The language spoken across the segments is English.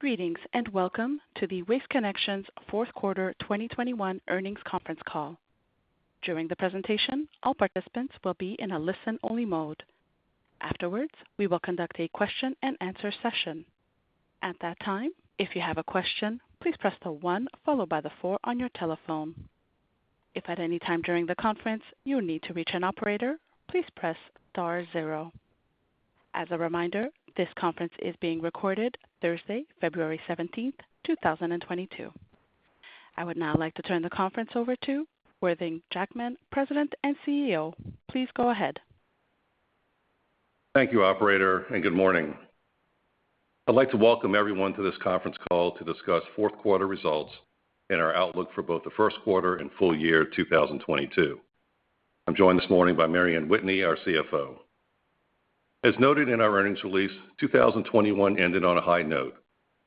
Greetings, and welcome to the Waste Connections Q4 2021 earnings conference call. During the presentation, all participants will be in a listen-only mode. Afterwards, we will conduct a question-and-answer session. At that time, if you have a question, please press the one followed by the four on your telephone. If at any time during the conference you need to reach an operator, please press star zero. As a reminder, this conference is being recorded Thursday, February 17th, 2022. I would now like to turn the conference over to Worthing Jackman, President and CEO. Please go ahead. Thank you, operator, and good morning. I'd like to welcome everyone to this conference call to discuss Q4 results and our outlook for both the Q1 and full year 2022. I'm joined this morning by Mary Anne Whitney, our CFO. As noted in our earnings release, 2021 ended on a high note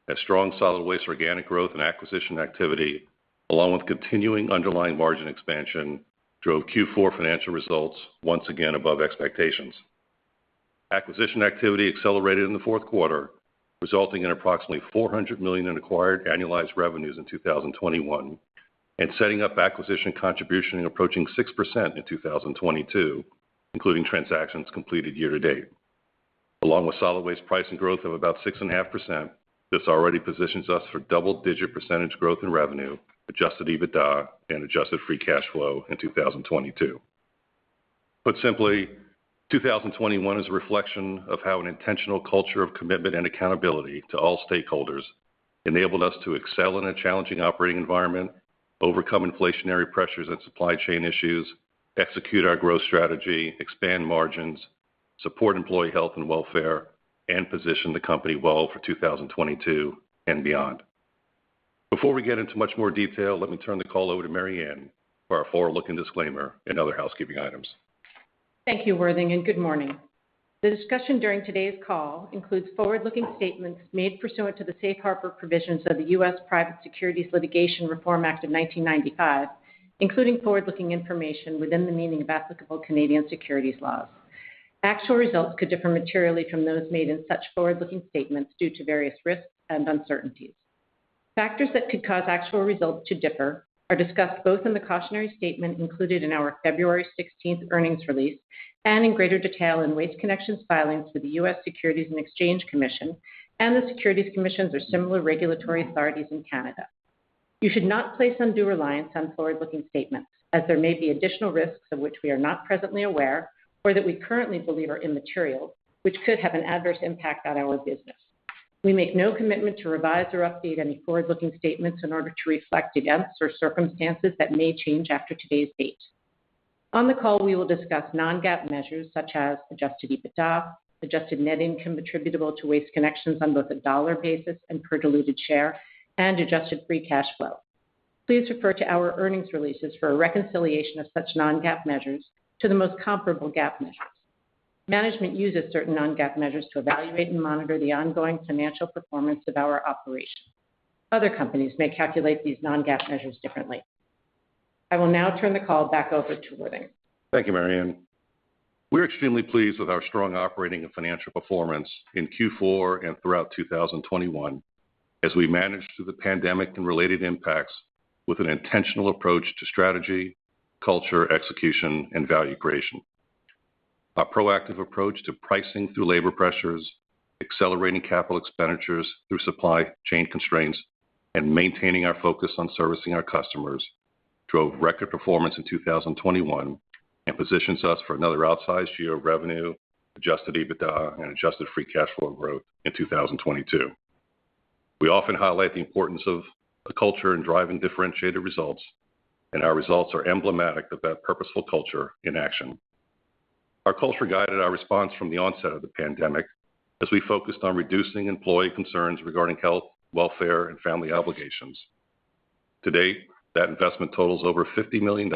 as strong solid waste, organic growth and acquisition activity along with continuing underlying margin expansion drove Q4 financial results once again above expectations. Acquisition activity accelerated in the Q4, resulting in approximately $400 million in acquired annualized revenues in 2021 and setting up acquisition contribution approaching 6% in 2022, including transactions completed year to date. Along with solid waste price and growth of about 6.5%, this already positions us for double-digit % growth in revenue, adjusted EBITDA and adjusted free cash flow in 2022. Put simply, 2021 is a reflection of how an intentional culture of commitment and accountability to all stakeholders enabled us to excel in a challenging operating environment, overcome inflationary pressures and supply chain issues, execute our growth strategy, expand margins, support employee health and welfare, and position the company well for 2022 and beyond. Before we get into much more detail, let me turn the call over to Mary Anne for our forward-looking disclaimer and other housekeeping items. Thank you, Worthing, and good morning. The discussion during today's call includes forward-looking statements made pursuant to the safe harbor provisions of the US Private Securities Litigation Reform Act of 1995, including forward-looking information within the meaning of applicable Canadian securities laws. Actual results could differ materially from those made in such forward-looking statements due to various risks and uncertainties. Factors that could cause actual results to differ are discussed both in the cautionary statement included in our February 16th earnings release and in greater detail in Waste Connections' filings with the US Securities and Exchange Commission and the Securities Commissions or similar regulatory authorities in Canada. You should not place undue reliance on forward-looking statements as there may be additional risks of which we are not presently aware or that we currently believe are immaterial, which could have an adverse impact on our business. We make no commitment to revise or update any forward-looking statements in order to reflect events or circumstances that may change after today's date. On the call, we will discuss non-GAAP measures such as adjusted EBITDA, adjusted net income attributable to Waste Connections on both a dollar basis and per diluted share, and adjusted free cash flow. Please refer to our earnings releases for a reconciliation of such non-GAAP measures to the most comparable GAAP measures. Management uses certain non-GAAP measures to evaluate and monitor the ongoing financial performance of our operations. Other companies may calculate these non-GAAP measures differently. I will now turn the call back over to Worthing. Thank you, Mary Anne. We're extremely pleased with our strong operating and financial performance in Q4 and throughout 2021 as we managed through the pandemic and related impacts with an intentional approach to strategy, culture, execution and value creation. Our proactive approach to pricing through labor pressures, accelerating capital expenditures through supply chain constraints, and maintaining our focus on servicing our customers drove record performance in 2021 and positions us for another outsized year of revenue, adjusted EBITDA and adjusted free cash flow growth in 2022. We often highlight the importance of a culture in driving differentiated results, and our results are emblematic of that purposeful culture in action. Our culture guided our response from the onset of the pandemic as we focused on reducing employee concerns regarding health, welfare, and family obligations. To date, that investment totals over $50 million,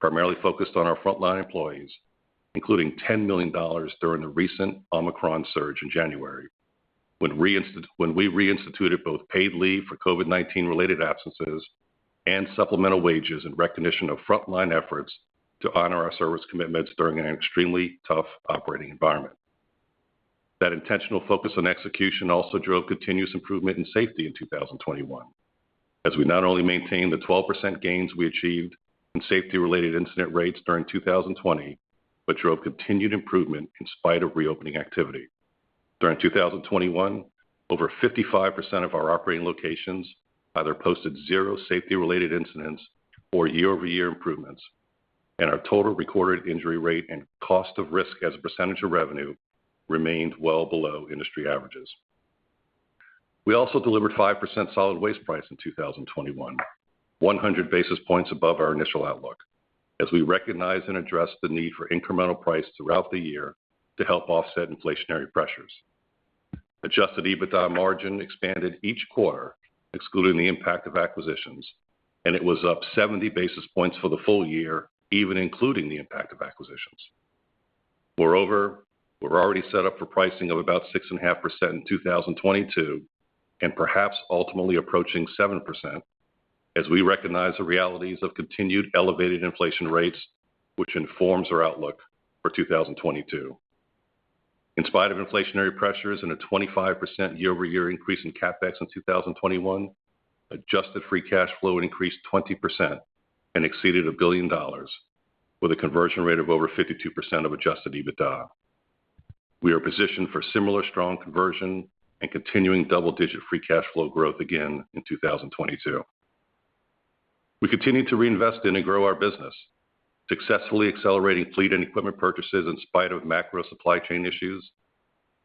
primarily focused on our frontline employees, including $10 million during the recent Omicron surge in January, when we reinstituted both paid leave for COVID-19 related absences and supplemental wages in recognition of frontline efforts to honor our service commitments during an extremely tough operating environment. That intentional focus on execution also drove continuous improvement in safety in 2021 as we not only maintained the 12% gains we achieved in safety-related incident rates during 2020, but drove continued improvement in spite of reopening activity. During 2021, over 55% of our operating locations either posted zero safety-related incidents or year-over-year improvements, and our total recorded injury rate and cost of risk as a percentage of revenue remained well below industry averages. We also delivered 5% solid waste price in 2021, 100-basis points above our initial outlook as we recognized and addressed the need for incremental price throughout the year to help offset inflationary pressures. Adjusted EBITDA margin expanded each quarter, excluding the impact of acquisitions, and it was up 70-basis points for the full year, even including the impact of acquisitions. Moreover, we're already set up for pricing of about 6.5% in 2022 and perhaps ultimately approaching 7%. As we recognize the realities of continued elevated inflation rates, which informs our outlook for 2022. In spite of inflationary pressures and a 25% year-over-year increase in CapEx in 2021, adjusted free cash flow increased 20% and exceeded $1 billion with a conversion rate of over 52% of adjusted EBITDA. We are positioned for similar strong conversion and continuing double-digit free cash flow growth again in 2022. We continue to reinvest in and grow our business, successfully accelerating fleet and equipment purchases in spite of macro supply chain issues.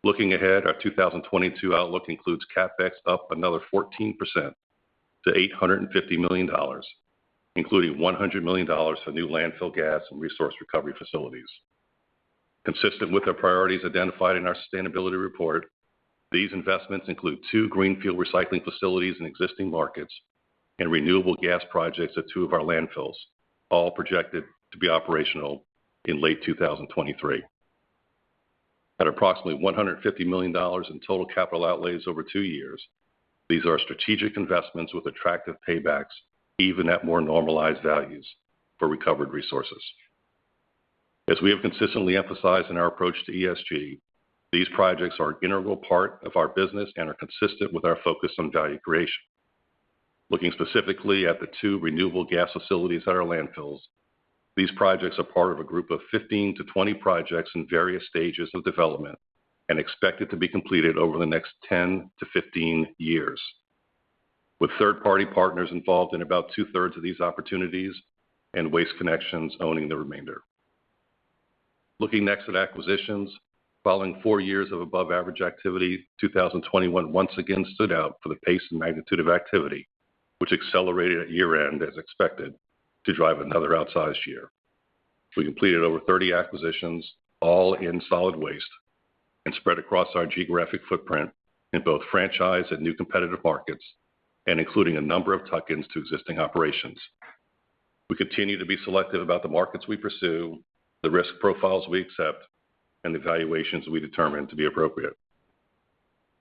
Looking ahead, our 2022 outlook includes CapEx up another 14% to $850 million, including $100 million for new landfill gas and resource recovery facilities. Consistent with our priorities identified in our sustainability report, these investments include two greenfield recycling facilities in existing markets and renewable gas projects at two of our landfills, all projected to be operational in late 2023. At approximately $150 million in total capital outlays over two years, these are strategic investments with attractive paybacks, even at more normalized values for recovered resources. As we have consistently emphasized in our approach to ESG, these projects are an integral part of our business and are consistent with our focus on value creation. Looking specifically at the two renewable gas facilities at our landfills, these projects are part of a group of 15-20 projects in various stages of development and expected to be completed over the next 10-15 years, with third-party partners involved in about two-thirds of these opportunities and Waste Connections owning the remainder. Looking next at acquisitions, following four years of above-average activity, 2021 once again stood out for the pace and magnitude of activity, which accelerated at year-end, as expected, to drive another outsized year. We completed over 30 acquisitions, all in solid waste and spread across our geographic footprint in both franchise and new competitive markets and including a number of tuck-ins to existing operations. We continue to be selective about the markets we pursue, the risk profiles we accept, and the valuations we determine to be appropriate.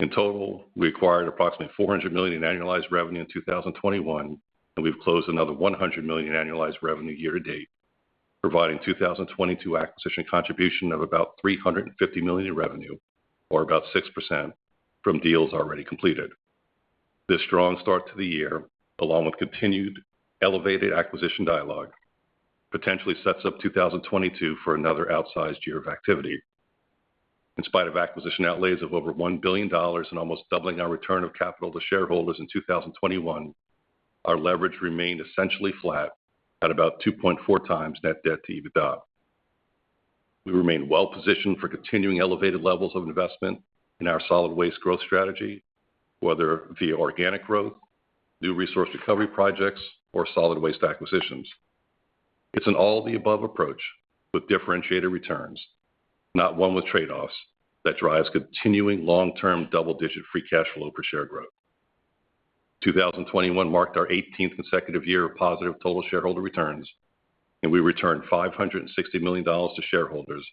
In total, we acquired approximately $400 million in annualized revenue in 2021, and we've closed another $100 million in annualized revenue year to date, providing 2022 acquisition contribution of about $350 million in revenue or about 6% from deals already completed. This strong start to the year, along with continued elevated acquisition dialogue, potentially sets up 2022 for another outsized year of activity. In spite of acquisition outlays of over $1 billion and almost doubling our return of capital to shareholders in 2021, our leverage remained essentially flat at about 2.4 times net debt to EBITDA. We remain well positioned for continuing elevated levels of investment in our solid waste growth strategy, whether via organic growth, new resource recovery projects, or solid waste acquisitions. It's an all-of-the-above approach with differentiated returns, not one with trade-offs, that drives continuing long-term double-digit free cash flow per share growth. 2021 marked our 18th consecutive year of positive total shareholder returns, and we returned $560 million to shareholders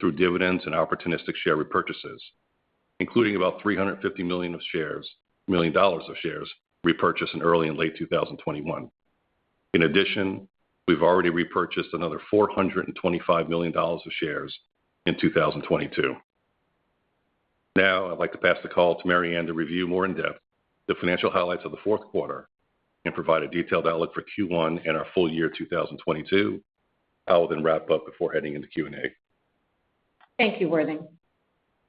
through dividends and opportunistic share repurchases, including about $350 million dollars of shares repurchased in early and late 2021. In addition, we've already repurchased another $425 million dollars of shares in 2022. Now I'd like to pass the call to Mary Anne to review more in depth the financial highlights of the Q4 and provide a detailed outlook for Q1 and our full year 2022. I will then wrap up before heading into Q&A. Thank you, Worthing.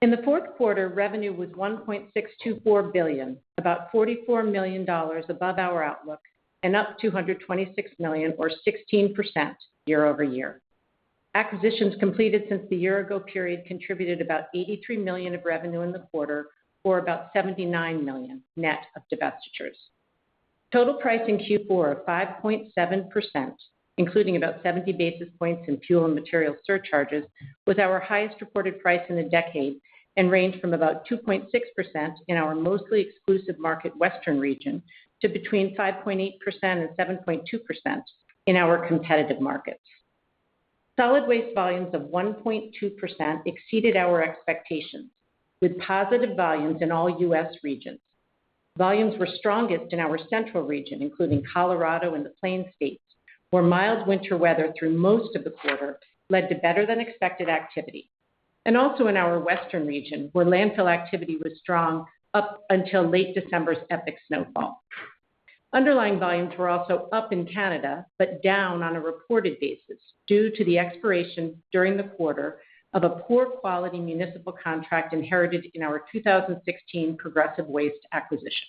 In the Q4, revenue was $1.624 billion, about $44 million above our outlook and up $226 million or 16% year-over-year. Acquisitions completed since the year-ago period contributed about $83 million of revenue in the quarter or about $79 million net of divestitures. Total price in Q4 of 5.7%, including about 70-basis points in fuel and material surcharges, was our highest reported price in a decade and ranged from about 2.6% in our mostly exclusive market Western region to between 5.8% and 7.2% in our competitive markets. Solid waste volumes of 1.2% exceeded our expectations with positive volumes in all U.S. regions. Volumes were strongest in our Central region, including Colorado and the Plains states, where mild winter weather through most of the quarter led to better-than-expected activity, and also in our Western region, where landfill activity was strong up until late December's epic snowfall. Underlying volumes were also up in Canada, but down on a reported basis due to the expiration during the quarter of a poor-quality municipal contract inherited in our 2016 Progressive Waste acquisition.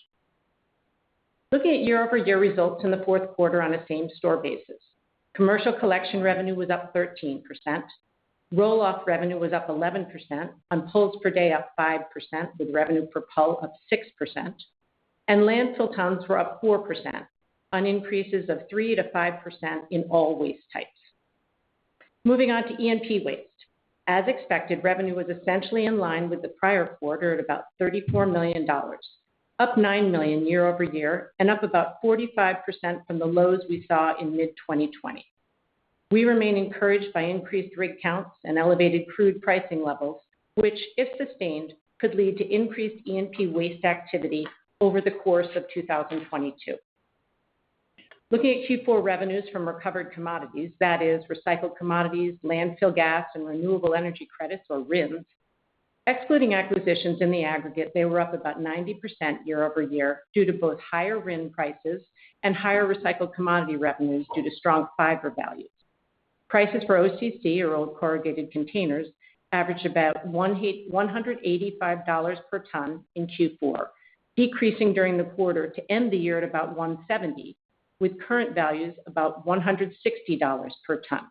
Looking at year-over-year results in the Q4 on a same-store basis. Commercial collection revenue was up 13%. Roll-off revenue was up 11% on pulls per day up 5%, with revenue per pull up 6%. Landfill tons were up 4% on increases of 3%-5% in all waste types. Moving on to E&P waste. As expected, revenue was essentially in line with the prior quarter at about $34 million, up $9 million year-over-year and up about 45% from the lows we saw in mid-2020. We remain encouraged by increased rig counts and elevated crude pricing levels, which, if sustained, could lead to increased E&P waste activity over the course of 2022. Looking at Q4 revenues from recovered commodities, that is recycled commodities, landfill gas, and renewable energy credits or RINs. Excluding acquisitions in the aggregate, they were up about 90% year-over-year due to both higher RIN prices and higher recycled commodity revenues due to strong fiber values. Prices for OCC or old corrugated containers averaged about $185 per ton in Q4, decreasing during the quarter to end the year at about $170, with current values about $160 per ton.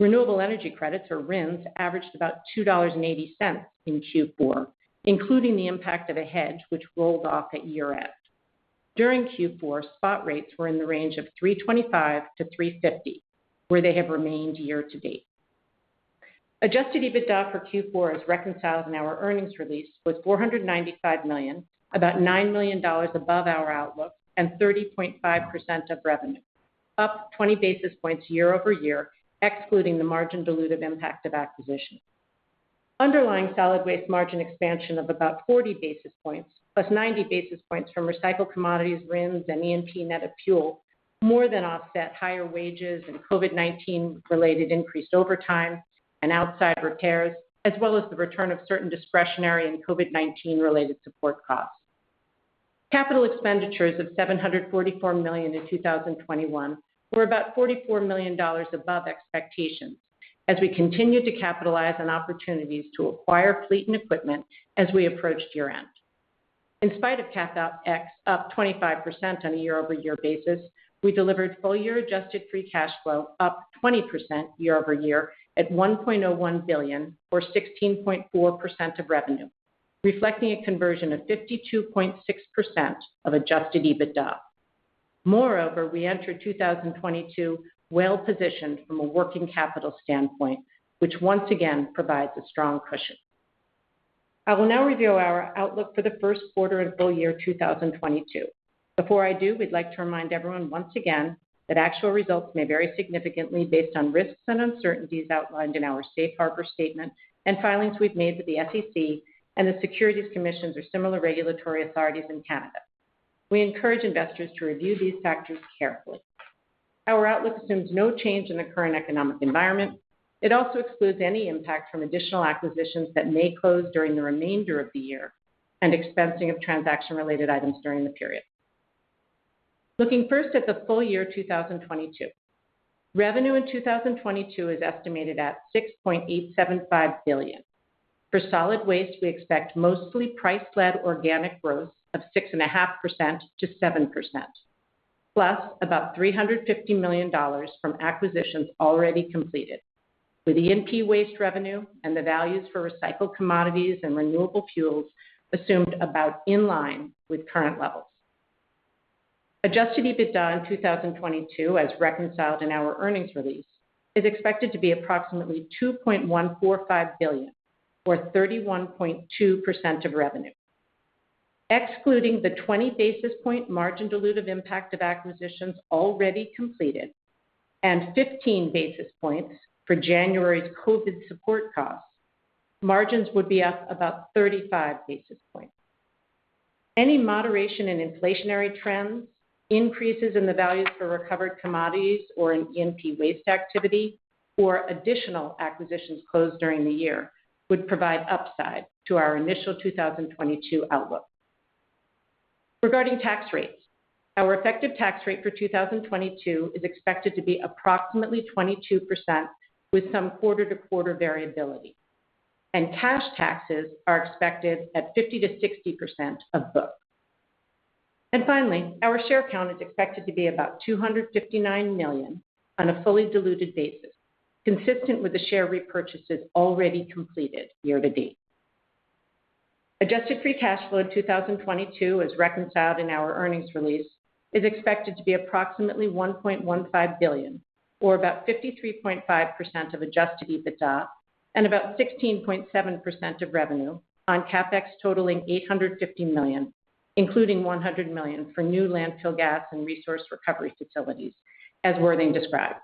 Renewable energy credits or RINs averaged about $2.80 in Q4, including the impact of a hedge which rolled off at year-end. During Q4, spot rates were in the range of $325-$350, where they have remained year to date. Adjusted EBITDA for Q4 is reconciled in our earnings release with $495 million, about $9 million above our outlook and 30.5% of revenue, up 20- basis points year-over-year, excluding the margin dilutive impact of acquisitions. Underlying solid waste margin expansion of about 40-basis points plus 90-basis points from recycled commodities, RINs, and E&P net of fuel, more than offset higher wages and COVID-19 related increased overtime and outside repairs, as well as the return of certain discretionary and COVID-19 related support costs. Capital expenditures of $744 million in 2021 were about $44 million above expectations as we continued to capitalize on opportunities to acquire fleet and equipment as we approached year-end. In spite of CapEx up 25% on a year-over-year basis, we delivered full year adjusted free cash flow up 20% year over year at $1.1 billion or 16.4% of revenue, reflecting a conversion of 52.6% of adjusted EBITDA. Moreover, we entered 2022 well-positioned from a working capital standpoint, which once again provides a strong cushion. I will now review our outlook for the Q1 and full year 2022. Before I do, we'd like to remind everyone once again that actual results may vary significantly based on risks and uncertainties outlined in our safe harbor statement and filings we've made with the SEC and the Securities Commissions or similar regulatory authorities in Canada. We encourage investors to review these factors carefully. Our outlook assumes no change in the current economic environment. It also excludes any impact from additional acquisitions that may close during the remainder of the year and expensing of transaction-related items during the period. Looking first at the full year 2022. Revenue in 2022 is estimated at $6.875 billion. For solid waste, we expect mostly price-led organic growth of 6.5%-7%, plus about $350 million from acquisitions already completed, with E&P waste revenue and the values for recycled commodities and renewable fuels assumed about in line with current levels. Adjusted EBITDA in 2022, as reconciled in our earnings release, is expected to be approximately $2.145 billion or 31.2% of revenue. Excluding the 20-basis points margin dilutive impact of acquisitions already completed and 15-basis points for January's COVID support costs, margins would be up about 35-basis points. Any moderation in inflationary trends, increases in the values for recovered commodities or in E&P waste activity or additional acquisitions closed during the year would provide upside to our initial 2022 outlook. Regarding tax rates, our effective tax rate for 2022 is expected to be approximately 22% with some quarter-to-quarter variability, and cash taxes are expected at 50%-60% of book. Finally, our share count is expected to be about 259 million on a fully diluted basis, consistent with the share repurchases already completed year to date. Adjusted free cash flow in 2022, as reconciled in our earnings release, is expected to be approximately $1.15 billion or about 53.5% of adjusted EBITDA and about 16.7% of revenue on CapEx totaling $850 million, including $100 million for new landfill gas and resource recovery facilities, as Worthing described.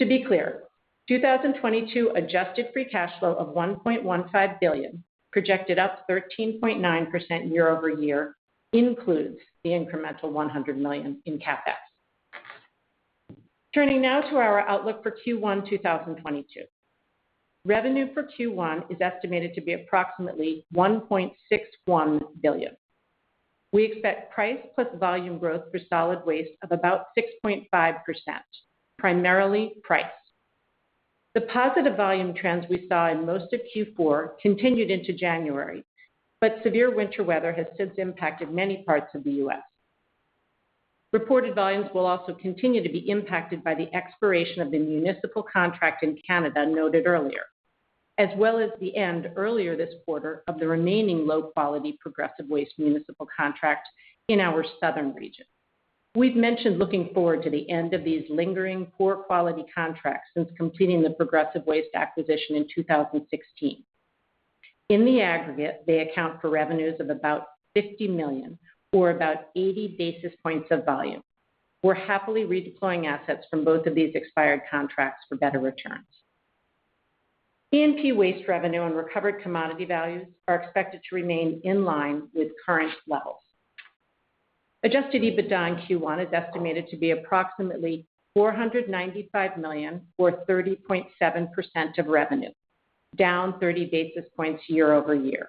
To be clear, 2022 adjusted free cash flow of $1.15 billion, projected up 13.9% year-over-year, includes the incremental $100 million in CapEx. Turning now to our outlook for Q1 2022. Revenue for Q1 is estimated to be approximately $1.61 billion. We expect price plus volume growth for solid waste of about 6.5%, primarily price. The positive volume trends we saw in most of Q4 continued into January, but severe winter weather has since impacted many parts of the U.S. Reported volumes will also continue to be impacted by the expiration of the municipal contract in Canada noted earlier, as well as the end earlier this quarter of the remaining low-quality Progressive Waste municipal contract in our southern region. We've mentioned looking forward to the end of these lingering poor quality contracts since completing the Progressive Waste acquisition in 2016. In the aggregate, they account for revenues of about $50 million or about 80 basis points of volume. We're happily redeploying assets from both of these expired contracts for better returns. E&P waste revenue and recovered commodity values are expected to remain in line with current levels. Adjusted EBITDA in Q1 is estimated to be approximately $495 million or 30.7% of revenue, down 30-basis points year-over-year.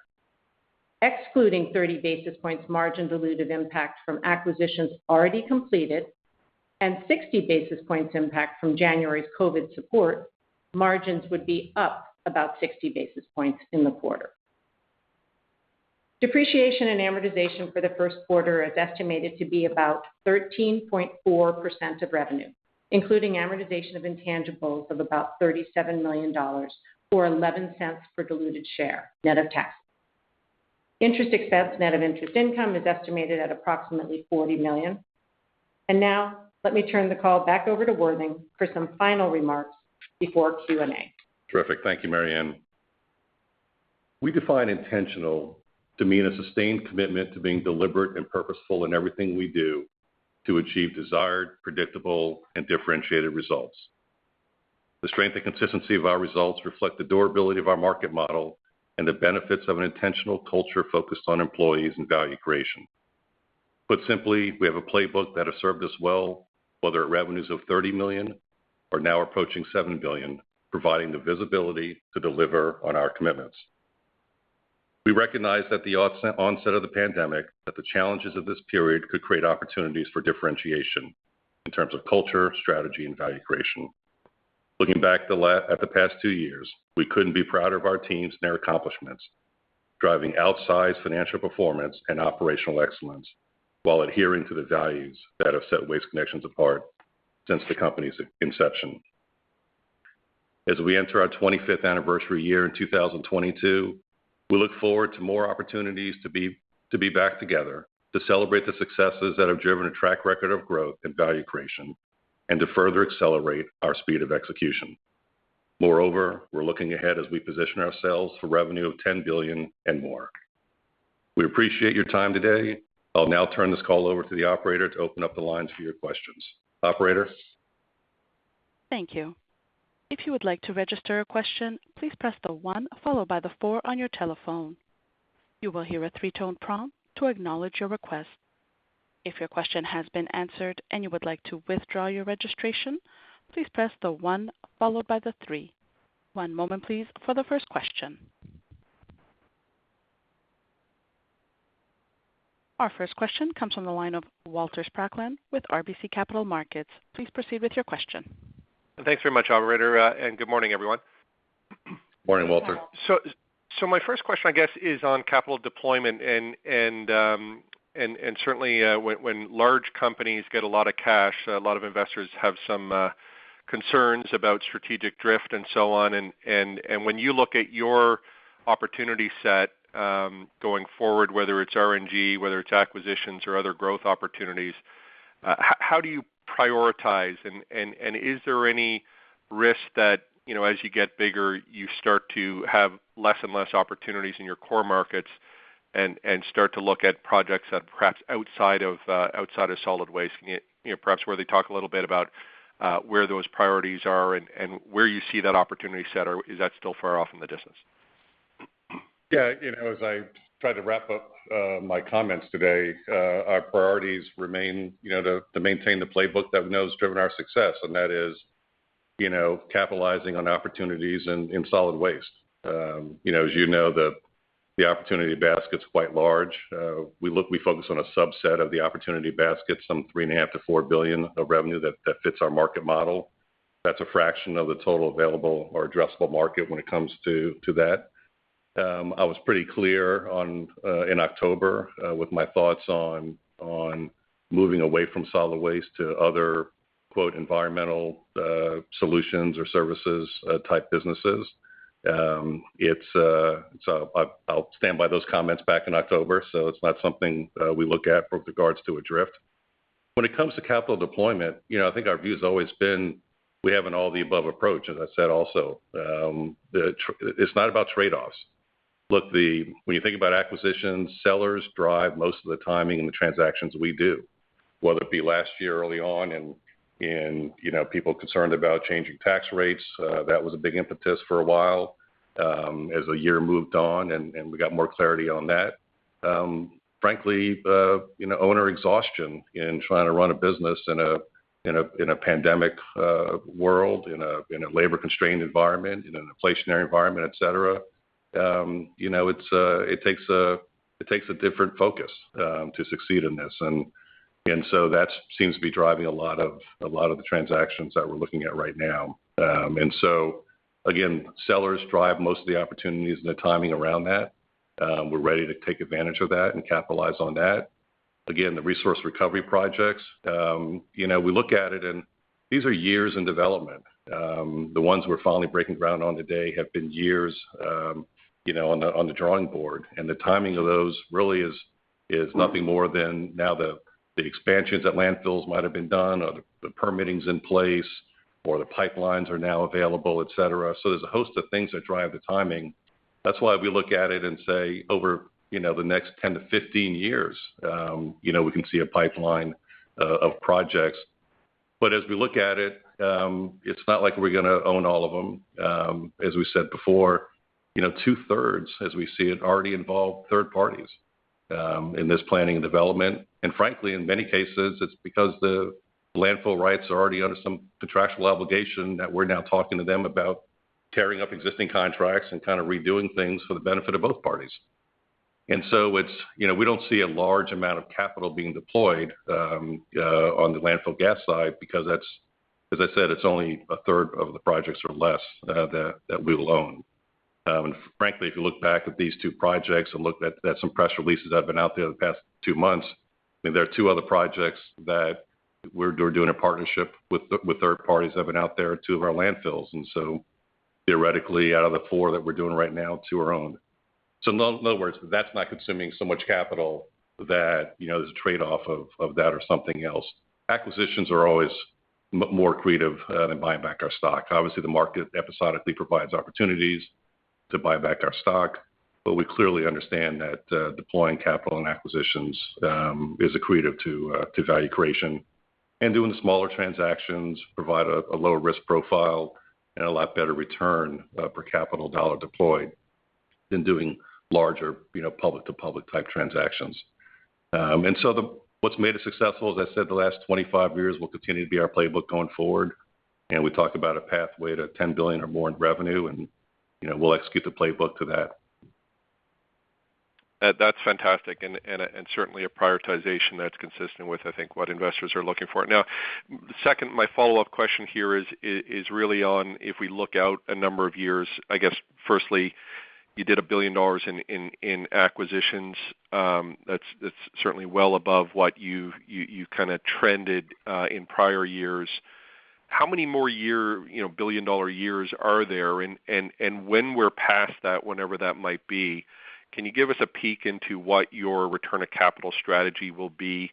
Excluding 30-basis points margin dilutive impact from acquisitions already completed and 60-basis points impact from January's COVID support, margins would be up about 60-basis points in the quarter. Depreciation and amortization for the Q1 is estimated to be about 13.4% of revenue, including amortization of intangibles of about $37 million or $0.11 per diluted share, net of tax. Interest expense, net of interest income is estimated at approximately $40 million. Now let me turn the call back over to Worthing for some final remarks before Q&A. Terrific. Thank you, Mary Anne. We define intentional to mean a sustained commitment to being deliberate and purposeful in everything we do to achieve desired, predictable, and differentiated results. The strength and consistency of our results reflect the durability of our market model and the benefits of an intentional culture focused on employees and value creation. Put simply, we have a playbook that has served us well, whether at revenues of $30 million or now approaching $7 billion, providing the visibility to deliver on our commitments. We recognize that the onset of the pandemic, that the challenges of this period could create opportunities for differentiation in terms of culture, strategy, and value creation. Looking back at the past two years, we couldn't be prouder of our teams and their accomplishments, driving outsized financial performance and operational excellence while adhering to the values that have set Waste Connections apart since the company's inception. As we enter our 25th anniversary year in 2022, we look forward to more opportunities to be back together, to celebrate the successes that have driven a track record of growth and value creation, and to further accelerate our speed of execution. Moreover, we're looking ahead as we position ourselves for revenue of $10 billion and more. We appreciate your time today. I'll now turn this call over to the operator to open up the lines for your questions. Operator? Thank you. One moment, please, for the first question. Our first question comes from the line of Walter Spracklin with RBC Capital Markets. Please proceed with your question. Thanks very much, operator, and good morning, everyone. Morning, Walter. Good morning. My first question, I guess, is on capital deployment and certainly when large companies get a lot of cash, a lot of investors have some concerns about strategic drift and so on. When you look at your opportunity set going forward, whether it's RNG, whether it's acquisitions or other growth opportunities, how do you prioritize? Is there any risk that, you know, as you get bigger, you start to have less and less opportunities in your core markets and start to look at projects that perhaps outside of solid waste, you know, perhaps whether you can talk a little bit about where those priorities are and where you see that opportunity set, or is that still far off in the distance? Yeah. You know, as I tried to wrap up my comments today, our priorities remain, you know, to maintain the playbook that we know has driven our success, and that is, you know, capitalizing on opportunities in solid waste. You know, as you know, the opportunity basket's quite large. We focus on a subset of the opportunity basket, some $3.5 billion-$4 billion of revenue that fits our market model. That's a fraction of the total available or addressable market when it comes to that. I was pretty clear on in October with my thoughts on moving away from solid waste to other, quote, environmental solutions or services type businesses. It's... I'll stand by those comments back in October, so it's not something we look at with regards to a drift. When it comes to capital deployment, you know, I think our view has always been we have an all-of-the-above approach, as I said also. It's not about trade-offs. Look, when you think about acquisitions, sellers drive most of the timing and the transactions we do, whether it be last year early on and, you know, people concerned about changing tax rates, that was a big impetus for a while, as the year moved on and we got more clarity on that. Frankly, you know, owner exhaustion in trying to run a business in a pandemic world, in a labor-constrained environment, in an inflationary environment, et cetera, you know, it takes a different focus to succeed in this. That seems to be driving a lot of the transactions that we're looking at right now. Again, sellers drive most of the opportunities and the timing around that. We're ready to take advantage of that and capitalize on that. Again, the resource recovery projects, you know, we look at it and these are years in development. The ones we're finally breaking ground on today have been years, you know, on the drawing board, and the timing of those really is nothing more than now the expansions at landfills might have been done or the permitting's in place or the pipelines are now available, et cetera. There's a host of things that drive the timing. That's why we look at it and say over, you know, the next 10-15 years, you know, we can see a pipeline of projects. As we look at it's not like we're going to own all of them. As we said before, you know, two-thirds as we see it already involve third parties in this planning and development. Frankly, in many cases it's because the landfill rights are already under some contractual obligation that we're now talking to them about tearing up existing contracts and kind of redoing things for the benefit of both parties. It's, you know, we don't see a large amount of capital being deployed on the landfill gas side because that's, as I said, it's only a third of the projects or less that we'll own. Frankly, if you look back at these two projects and look at some press releases that have been out there the past two months, I mean, there are two other projects that we're doing a partnership with third parties that have been out there at two of our landfills. Theoretically out of the four that we're doing right now, two are owned. In other words, that's not consuming so much capital that there's a trade-off of that or something else. Acquisitions are always more accretive than buying back our stock. Obviously, the market episodically provides opportunities to buy back our stock, but we clearly understand that deploying capital in acquisitions is accretive to value creation. Doing the smaller transactions provide a lower risk profile and a lot better return per dollar of capital deployed than doing larger public-to-public type transactions. What's made us successful, as I said, the last 25 years will continue to be our playbook going forward. We talked about a pathway to $10 billion or more in revenue, we'll execute the playbook to that. That's fantastic and certainly a prioritization that's consistent with, I think, what investors are looking for. Now, second, my follow-up question here is really on if we look out a number of years. I guess firstly, you did $1 billion in acquisitions. That's certainly well above what you kind of trended in prior years. How many more years, you know, billion-dollar years are there? When we're past that, whenever that might be, can you give us a peek into what your return of capital strategy will be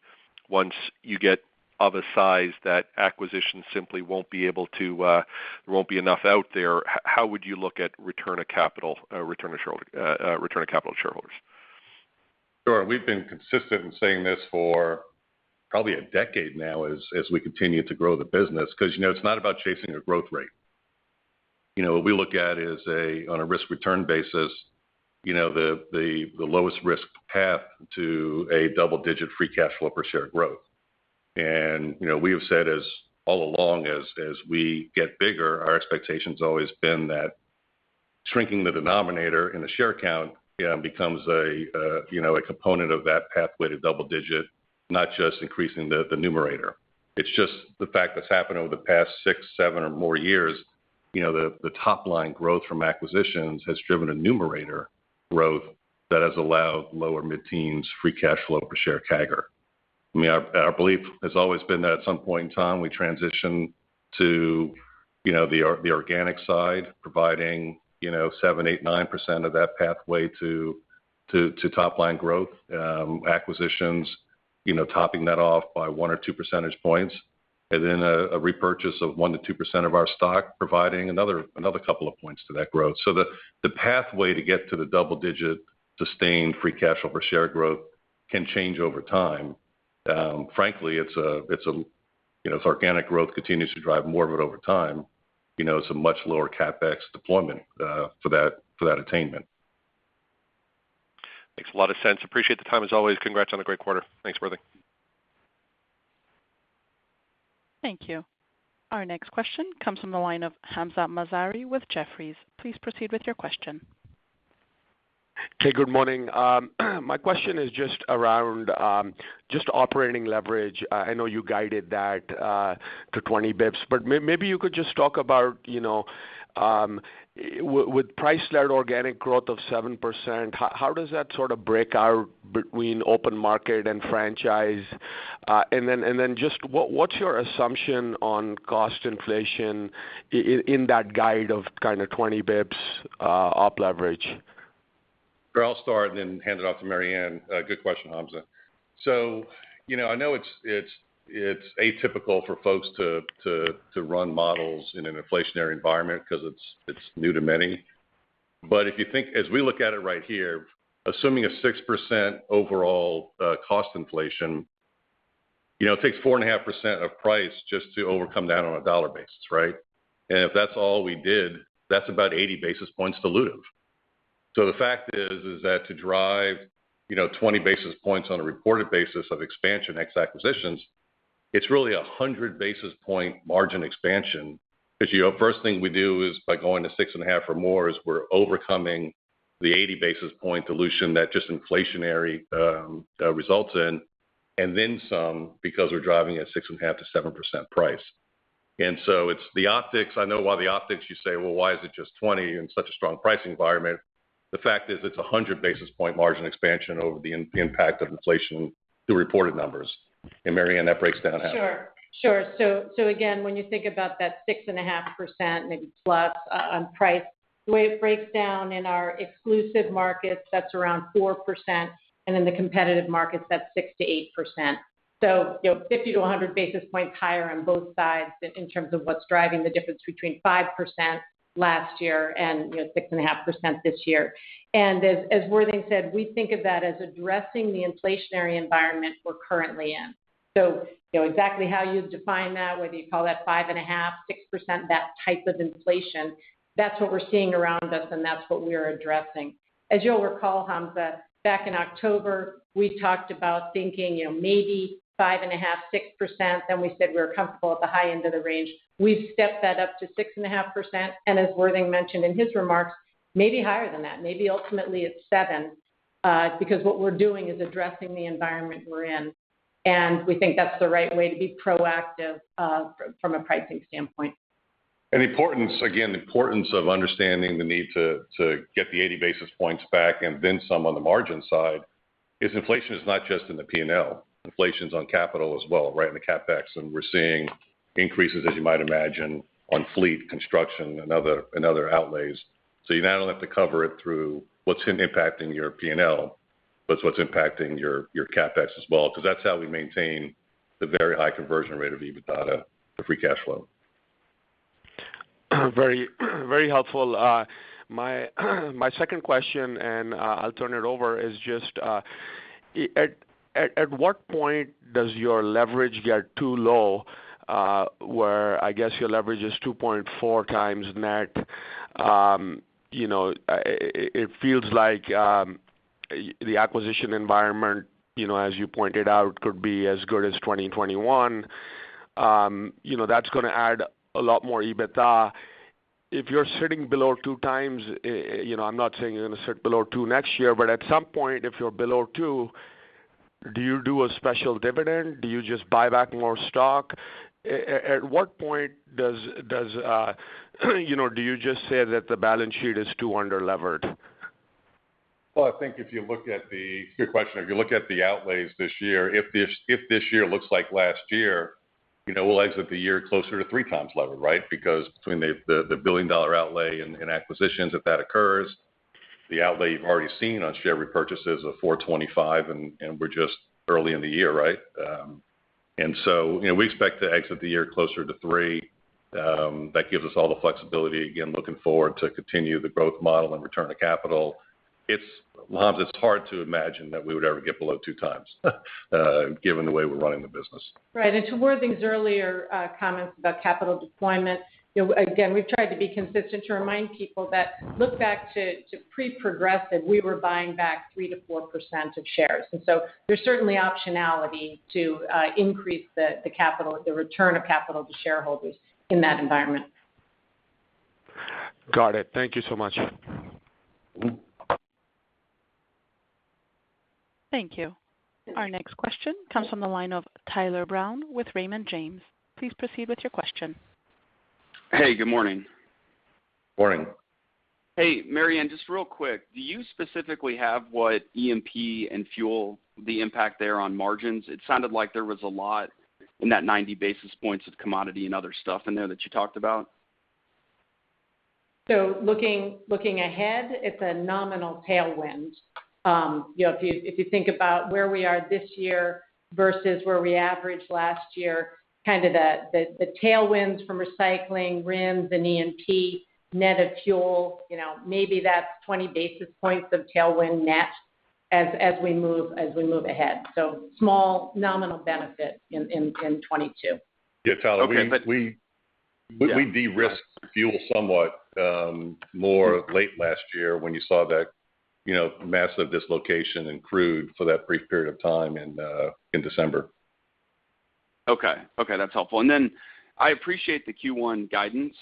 once you get to a size that acquisitions simply won't be able to, there won't be enough out there. How would you look at return of capital to shareholders? Sure. We've been consistent in saying this for probably a decade now as we continue to grow the business. 'Cause, you know, it's not about chasing a growth rate. You know, what we look at is on a risk-return basis, you know, the lowest risk path to a double-digit free cash flow per share growth. We have said all along, as we get bigger, our expectation's always been that shrinking the denominator in the share count becomes a, you know, a component of that pathway to double digit, not just increasing the numerator. It's just the fact that's happened over the past 6, 7 or more years. You know, the top line growth from acquisitions has driven a numerator growth that has allowed lower mid-teens free cash flow per share CAGR. I mean, our belief has always been that at some point in time we transition to, you know, the organic side, providing, you know, 7, 8, 9% of that pathway to top line growth, acquisitions, you know, topping that off by 1 or 2 percentage points. Then a repurchase of 1-2% of our stock, providing another couple of points to that growth. The pathway to get to the double-digit sustained free cash flow per share growth can change over time. Frankly, it's a, you know, if organic growth continues to drive more of it over time, you know, it's a much lower CapEx deployment for that attainment. Makes a lot of sense. Appreciate the time as always. Congrats on a great quarter. Thanks, Worthy. Thank you. Our next question comes from the line of Hamzah Mazari with Jefferies. Please proceed with your question. Okay, good morning. My question is just around just operating leverage. I know you guided that to 20 bps. Maybe you could just talk about, you know, with price led organic growth of 7%, how does that sort of break out between open market and franchise? Then just what's your assumption on cost inflation in that guide of kind of 20 bps, op leverage? Sure. I'll start and then hand it off to Mary Anne. Good question, Hamzah. You know, I know it's atypical for folks to run models in an inflationary environment because it's new to many. If you think as we look at it right here, assuming a 6% overall cost inflation, you know, it takes 4.5% of price just to overcome that on a dollar basis, right? If that's all we did, that's about 80-basis points dilutive. The fact is that to drive, you know, 20-basis points on a reported basis of expansion ex acquisitions, it's really a 100-basis point margin expansion. Because, you know, first thing we do is by going to 6.5 or more, is we're overcoming the 80-basis points dilution that inflation just results in, and then some because we're driving at 6.5%-7% price. It's the optics. I know why the optics. You say, "Well, why is it just 20 in such a strong pricing environment?" The fact is it's a 100-basis points margin expansion over the impact of inflation, the reported numbers. Mary Anne, that breaks down half. Sure. So again, when you think about that 6.5% maybe plus on price. The way it breaks down in our exclusive markets, that's around 4%, and in the competitive markets, that's 6%-8%. You know, 50-100 basis points higher on both sides in terms of what's driving the difference between 5% last year and, you know, 6.5% this year. And as Worthing said, we think of that as addressing the inflationary environment we're currently in. You know, exactly how you'd define that, whether you call that 5.5%-6%, that type of inflation, that's what we're seeing around us and that's what we're addressing. As you'll recall, Hamzah, back in October, we talked about thinking, you know, maybe 5.5%-6%, then we said we were comfortable at the high end of the range. We've stepped that up to 6.5%, and as Worthing mentioned in his remarks, maybe higher than that, maybe ultimately it's 7%, because what we're doing is addressing the environment we're in, and we think that's the right way to be proactive, from a pricing standpoint. Importance of understanding the need to get the 80-basis points back and then some on the margin side is inflation is not just in the P&L. Inflation's on capital as well, right in the CapEx, and we're seeing increases, as you might imagine, on fleet construction and other outlays. You not only have to cover it through what's impacting your P&L, but what's impacting your CapEx as well, because that's how we maintain the very high conversion rate of EBITDA to free cash flow. Very, very helpful. My second question, and I'll turn it over, is just at what point does your leverage get too low, where I guess your leverage is 2.4 times net. You know, it feels like the acquisition environment, you know, as you pointed out, could be as good as 2021. You know, that's going to add a lot more EBITDA. If you're sitting below two times, you know, I'm not saying you're going to sit below two next year, but at some point, if you're below two, do you do a special dividend? Do you just buy back more stock? At what point do you just say that the balance sheet is too under-levered? Good question. If you look at the outlays this year, if this year looks like last year, you know, we'll exit the year closer to three times leverage, right? Because between the $1 billion outlay in acquisitions, if that occurs, the outlay you've already seen on share repurchases of $425 million, and we're just early in the year, right? You know, we expect to exit the year closer to three. That gives us all the flexibility, again, looking forward to continue the growth model and return of capital. Hamzah, it's hard to imagine that we would ever get below two times, given the way we're running the business. Right. To Worthing's earlier comments about capital deployment, you know, again, we've tried to be consistent to remind people that look back to pre-Progressive, we were buying back 3%-4% of shares. There's certainly optionality to increase the capital, the return of capital to shareholders in that environment. Got it. Thank you so much. Thank you. Our next question comes from the line of Tyler Brown with Raymond James. Please proceed with your question. Hey, good morning. Morning. Hey, Mary Anne, just real quick. Do you specifically have what E&P and fuel, the impact there on margins? It sounded like there was a lot in that 90-basis points of commodity and other stuff in there that you talked about. Looking ahead, it's a nominal tailwind. You know, if you think about where we are this year versus where we averaged last year, kind of the tailwinds from recycling, RINs and E&P, net of fuel, you know, maybe that's 20-basis points of tailwind net as we move ahead. Small nominal benefit in 2022. Yeah, Tyler, we Okay. We de-risked fuel somewhat more late last year when you saw that, you know, massive dislocation in crude for that brief period of time in December. Okay. Okay, that's helpful. I appreciate the Q1 guidance,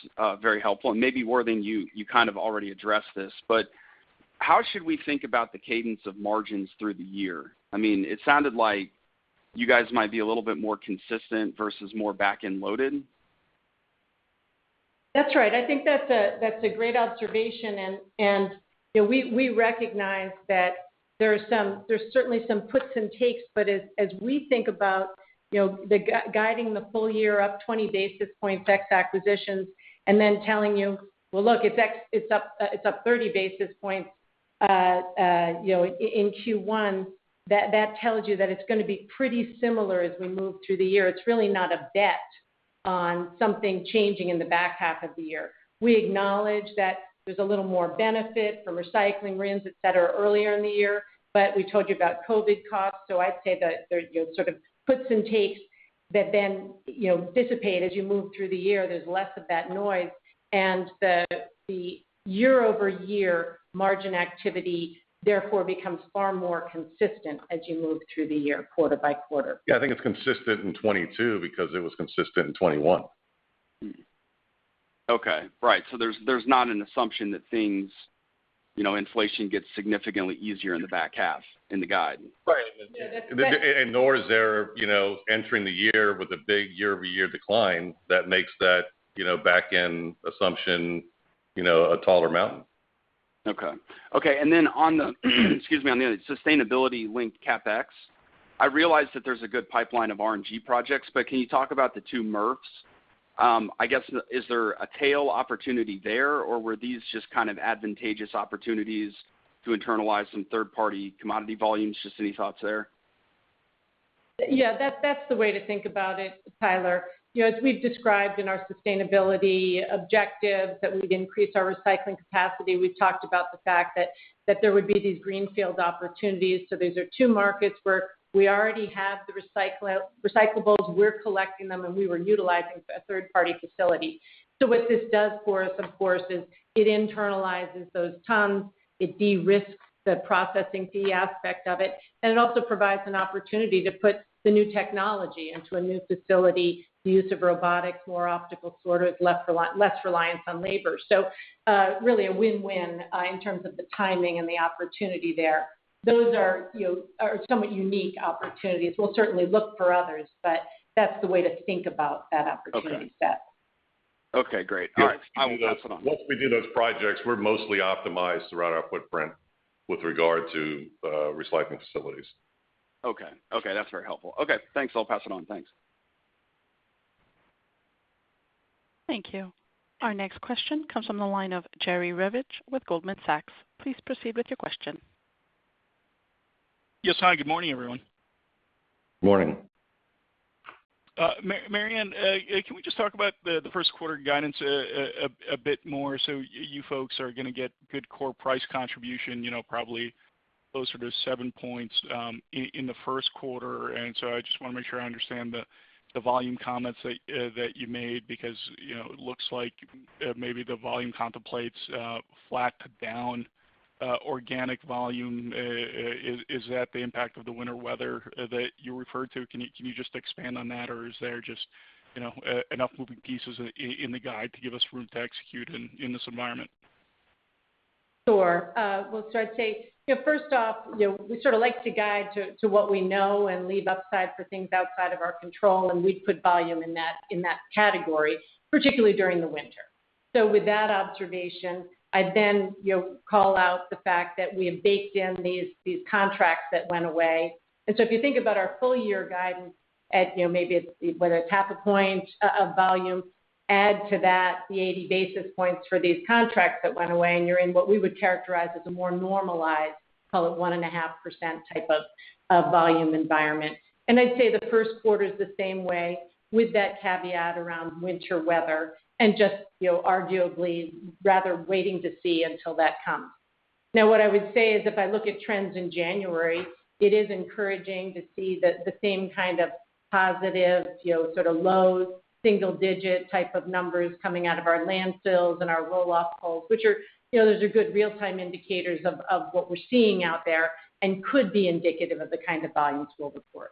very helpful. Maybe Worthing you kind of already addressed this, but how should we think about the cadence of margins through the year? I mean, it sounded like you guys might be a little bit more consistent versus more back-end loaded. That's right. I think that's a great observation and, you know, we recognize that there are some puts and takes, but as we think about, you know, the guiding the full year up 20-basis points, tax acquisitions, and then telling you, "Well, look, it's up 30-basis points in Q1," that tells you that it's going to be pretty similar as we move through the year. It's really not a bet on something changing in the back half of the year. We acknowledge that there's a little more benefit for recycling RINs, et cetera, earlier in the year, but we told you about COVID costs. I'd say that there, you know, sort of puts and takes that then, you know, dissipate as you move through the year. There's less of that noise, and the year-over-year margin activity therefore becomes far more consistent as you move through the year quarter by quarter. Yeah. I think it's consistent in 2022 because it was consistent in 2021. Okay. Right. There's not an assumption that things, you know, inflation gets significantly easier in the back half in the guide. Right. Yeah, that's correct. Nor is there, you know, entering the year with a big year-over-year decline that makes that, you know, back-end assumption, you know, a taller mountain. On the sustainability-linked CapEx, I realize that there's a good pipeline of RNG projects, but can you talk about the two MRFs? I guess, is there a tail opportunity there, or were these just kind of advantageous opportunities to internalize some third-party commodity volumes? Just any thoughts there. Yeah, that's the way to think about it, Tyler. You know, as we've described in our sustainability objectives, that we'd increase our recycling capacity. We've talked about the fact that there would be these greenfield opportunities. These are two markets where we already have the recyclables, we're collecting them, and we were utilizing a third-party facility. What this does for us, of course, is it internalizes those tons. It de-risks the processing fee aspect of it, and it also provides an opportunity to put the new technology into a new facility. The use of robotics, more optical sorters, less reliance on labor. Really a win-win in terms of the timing and the opportunity there. Those, you know, are somewhat unique opportunities. We'll certainly look for others, but that's the way to think about that opportunity set. Okay. Okay, great. All right. I will pass it on. Once we do those projects, we're mostly optimized throughout our footprint with regard to recycling facilities. Okay. Okay, that's very helpful. Okay, thanks. I'll pass it on. Thanks. Thank you. Our next question comes from the line of Jerry Revich with Goldman Sachs. Please proceed with your question. Yes. Hi, good morning, everyone. Morning. Marianne, can we just talk about the Q1 guidance a bit more? You folks are going to get good core price contribution, you know, probably closer to seven points in the Q1. I just want to make sure I understand the volume comments that you made because, you know, it looks like maybe the volume contemplates flat to down organic volume. Is that the impact of the winter weather that you referred to? Can you just expand on that? Or is there just, you know, enough moving pieces in the guide to give us room to execute in this environment? Sure. Well, I'd say, you know, first off, you know, we sort of like to guide to what we know and leave upside for things outside of our control, and we'd put volume in that category, particularly during the winter. With that observation, I'd then, you know, call out the fact that we have baked in these contracts that went away. If you think about our full year guidance at, you know, whether it's 0.5 point of volume, add to that the 80-basis points for these contracts that went away, and you're in what we would characterize as a more normalized, call it 1.5% type of volume environment. I'd say the Q1 the same way with that caveat around winter weather and just, you know, arguably rather waiting to see until that comes. Now what I would say is, if I look at trends in January, it is encouraging to see that the same kind of positive, you know, sort of low single digit type of numbers coming out of our landfills and our roll-off hauls, which are, you know, those are good real-time indicators of what we're seeing out there and could be indicative of the kind of volumes we'll report.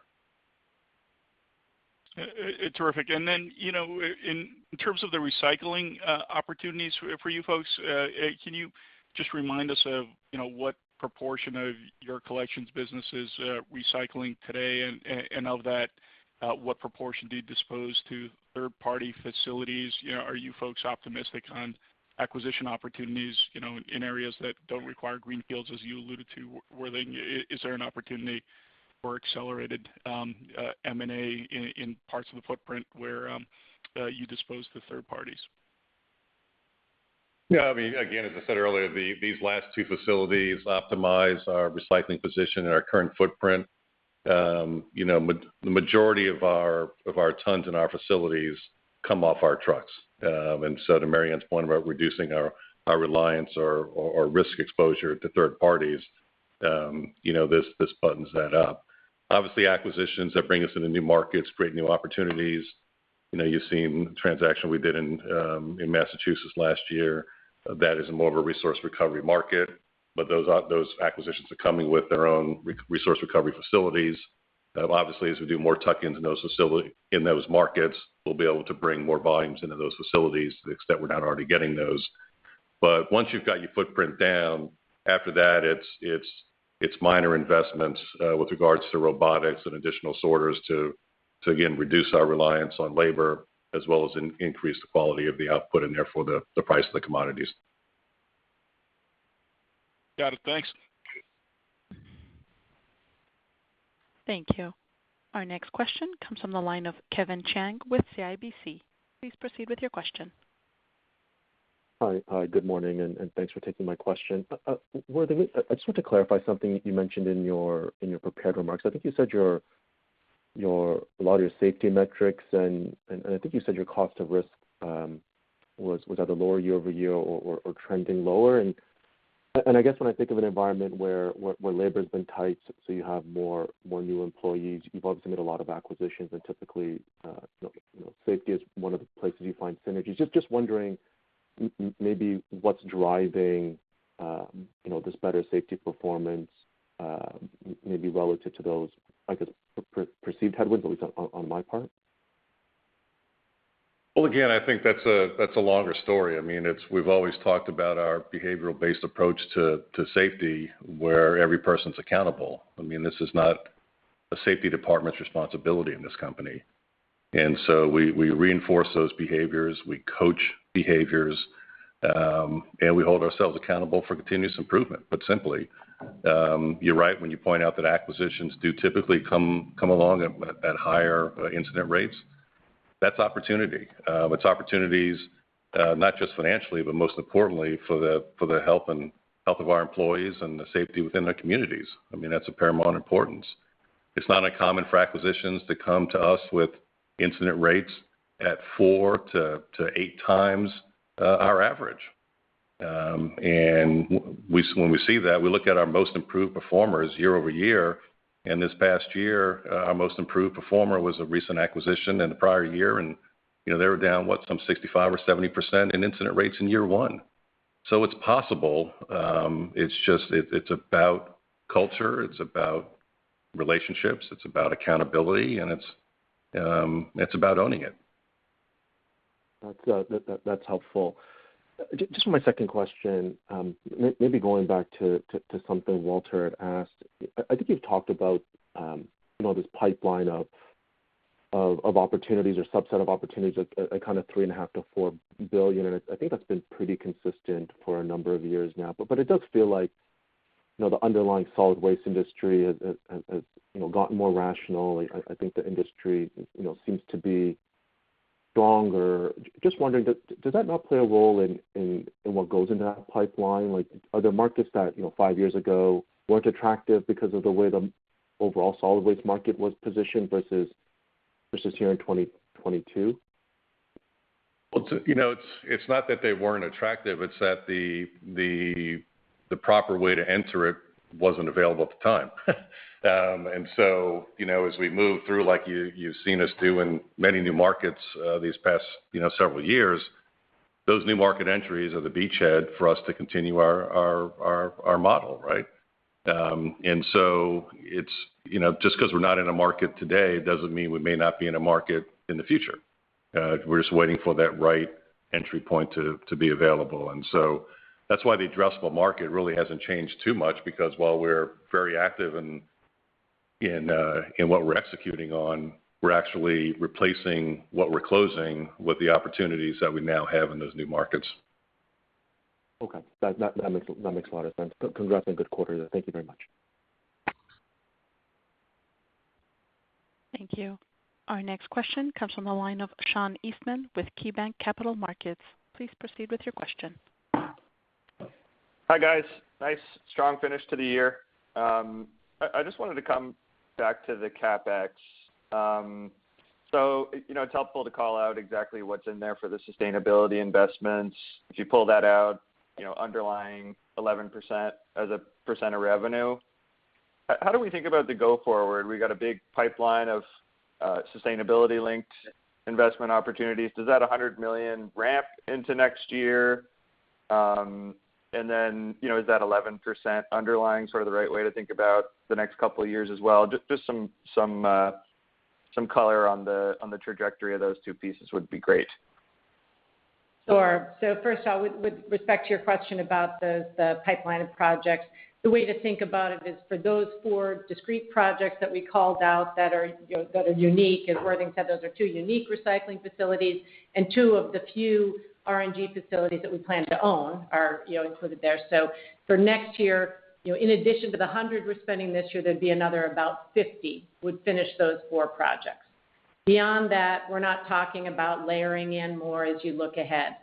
Terrific. You know, in terms of the recycling opportunities for you folks, can you just remind us of, you know, what proportion of your collections business is recycling today? Of that, what proportion do you dispose to third-party facilities? You know, are you folks optimistic on acquisition opportunities, you know, in areas that don't require greenfields, as you alluded to? Is there an opportunity for accelerated M&A in parts of the footprint where you dispose to third parties? Yeah, I mean, again, as I said earlier, these last two facilities optimize our recycling position in our current footprint. You know, the majority of our tons in our facilities come off our trucks. To Marianne's point about reducing our reliance or risk exposure to third parties, you know, this buttons that up. Obviously, acquisitions that bring us into new markets create new opportunities. You know, you've seen the transaction we did in Massachusetts last year. That is more of a resource recovery market. But those acquisitions are coming with their own resource recovery facilities. Obviously, as we do more tuck-ins in those markets, we'll be able to bring more volumes into those facilities to the extent we're not already getting those. Once you've got your footprint down, after that, it's minor investments with regards to robotics and additional sorters to again reduce our reliance on labor as well as increase the quality of the output and therefore the price of the commodities. Got it. Thanks. Thank you. Our next question comes from the line of Kevin Chiang with CIBC. Please proceed with your question. Hi, good morning, and thanks for taking my question. I just want to clarify something you mentioned in your prepared remarks. I think you said a lot of your safety metrics, and I think you said your cost of risk was at a lower year-over-year or trending lower. I guess when I think of an environment where labor's been tight, so you have more new employees, you've obviously made a lot of acquisitions, and typically, you know, safety is one of the places you find synergies. Just wondering maybe what's driving, you know, this better safety performance, maybe relative to those, I guess, perceived headwinds, at least on my part. Well, again, I think that's a longer story. I mean, we've always talked about our behavioral-based approach to safety, where every person's accountable. I mean, this is not a safety department's responsibility in this company. We reinforce those behaviors, we coach behaviors, and we hold ourselves accountable for continuous improvement. But simply, you're right when you point out that acquisitions do typically come along at higher incident rates. That's opportunity. It's opportunities, not just financially, but most importantly for the health of our employees and the safety within their communities. I mean, that's of paramount importance. It's not uncommon for acquisitions to come to us with incident rates at four to eight times our average. When we see that, we look at our most improved performers year over year, and this past year, our most improved performer was a recent acquisition in the prior year, and, you know, they were down, what, some 65% or 70% in incident rates in year one. It's possible, it's just, it's about culture, it's about relationships, it's about accountability, and it's about owning it. That's helpful. Just for my second question, maybe going back to something Walter had asked. I think you've talked about, you know, this pipeline of opportunities or subset of opportunities at kind of $3.5 billion-$4 billion, and I think that's been pretty consistent for a number of years now. It does feel like, you know, the underlying solid waste industry has you know gotten more rational. I think the industry, you know, seems to be stronger. Just wondering, does that not play a role in what goes into that pipeline? Like, are there markets that, you know, five years ago weren't attractive because of the way the overall solid waste market was positioned versus here in 2022? Well, you know, it's not that they weren't attractive, it's that the proper way to enter it wasn't available at the time. You know, as we move through, like you've seen us do in many new markets these past, you know, several years, those new market entries are the beachhead for us to continue our model, right? You know, just 'cause we're not in a market today doesn't mean we may not be in a market in the future. We're just waiting for that right entry point to be available. That's why the addressable market really hasn't changed too much because while we're very active in what we're executing on, we're actually replacing what we're closing with the opportunities that we now have in those new markets. Okay. That makes a lot of sense. Congrats on a good quarter. Thank you very much. Thank you. Our next question comes from the line of Sean Eastman with KeyBanc Capital Markets. Please proceed with your question. Hi, guys. Nice strong finish to the year. I just wanted to come back to the CapEx. So, you know, it's helpful to call out exactly what's in there for the sustainability investments. If you pull that out, you know, underlying 11% as a percent of revenue, how do we think about the go forward? We got a big pipeline of sustainability-linked investment opportunities. Does that $100 million ramp into next year? And then, you know, is that 11% underlying sort of the right way to think about the next couple of years as well? Just some color on the trajectory of those two pieces would be great. Sure. First of all, with respect to your question about the pipeline of projects, the way to think about it is for those four discrete projects that we called out that are, you know, that are unique, as Worthing said, those are two unique recycling facilities and two of the few RNG facilities that we plan to own are, you know, included there. For next year, you know, in addition to the $100 we're spending this year, there'd be another about $50 would finish those four projects. Beyond that, we're not talking about layering in more as you look ahead.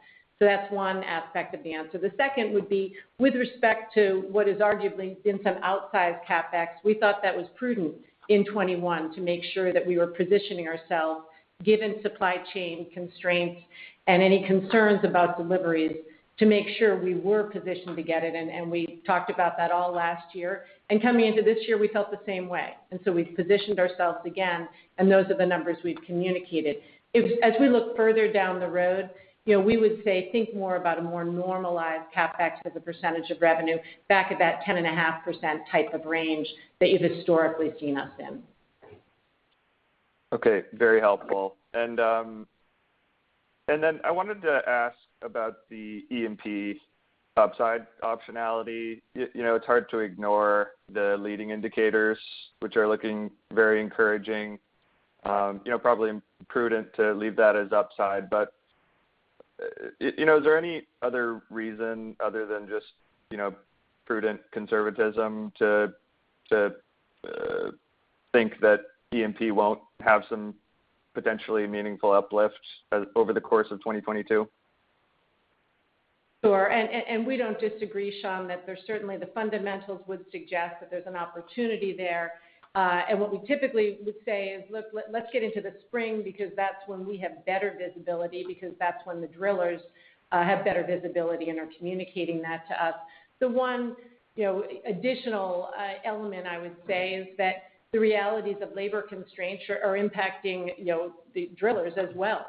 That's one aspect of the answer. The second would be with respect to what is arguably been some outsized CapEx. We thought that was prudent in 2021 to make sure that we were positioning ourselves given supply chain constraints and any concerns about deliveries to make sure we were positioned to get it in, and we talked about that all last year. Coming into this year, we felt the same way. We've positioned ourselves again, and those are the numbers we've communicated. As we look further down the road, you know, we would say think more about a more normalized CapEx as a percentage of revenue back at that 10.5% type of range that you've historically seen us in. Okay, very helpful. I wanted to ask about the E&P upside optionality. You know, it's hard to ignore the leading indicators, which are looking very encouraging. You know, probably prudent to leave that as upside, but you know, is there any other reason other than just, you know, prudent conservatism to think that E&P won't have some potentially meaningful uplifts over the course of 2022? Sure. We don't disagree, Sean, that there's certainly the fundamentals would suggest that there's an opportunity there. What we typically would say is, "Look, let's get into the spring because that's when we have better visibility, because that's when the drillers have better visibility and are communicating that to us." The one additional element I would say is that the realities of labor constraints are impacting the drillers as well.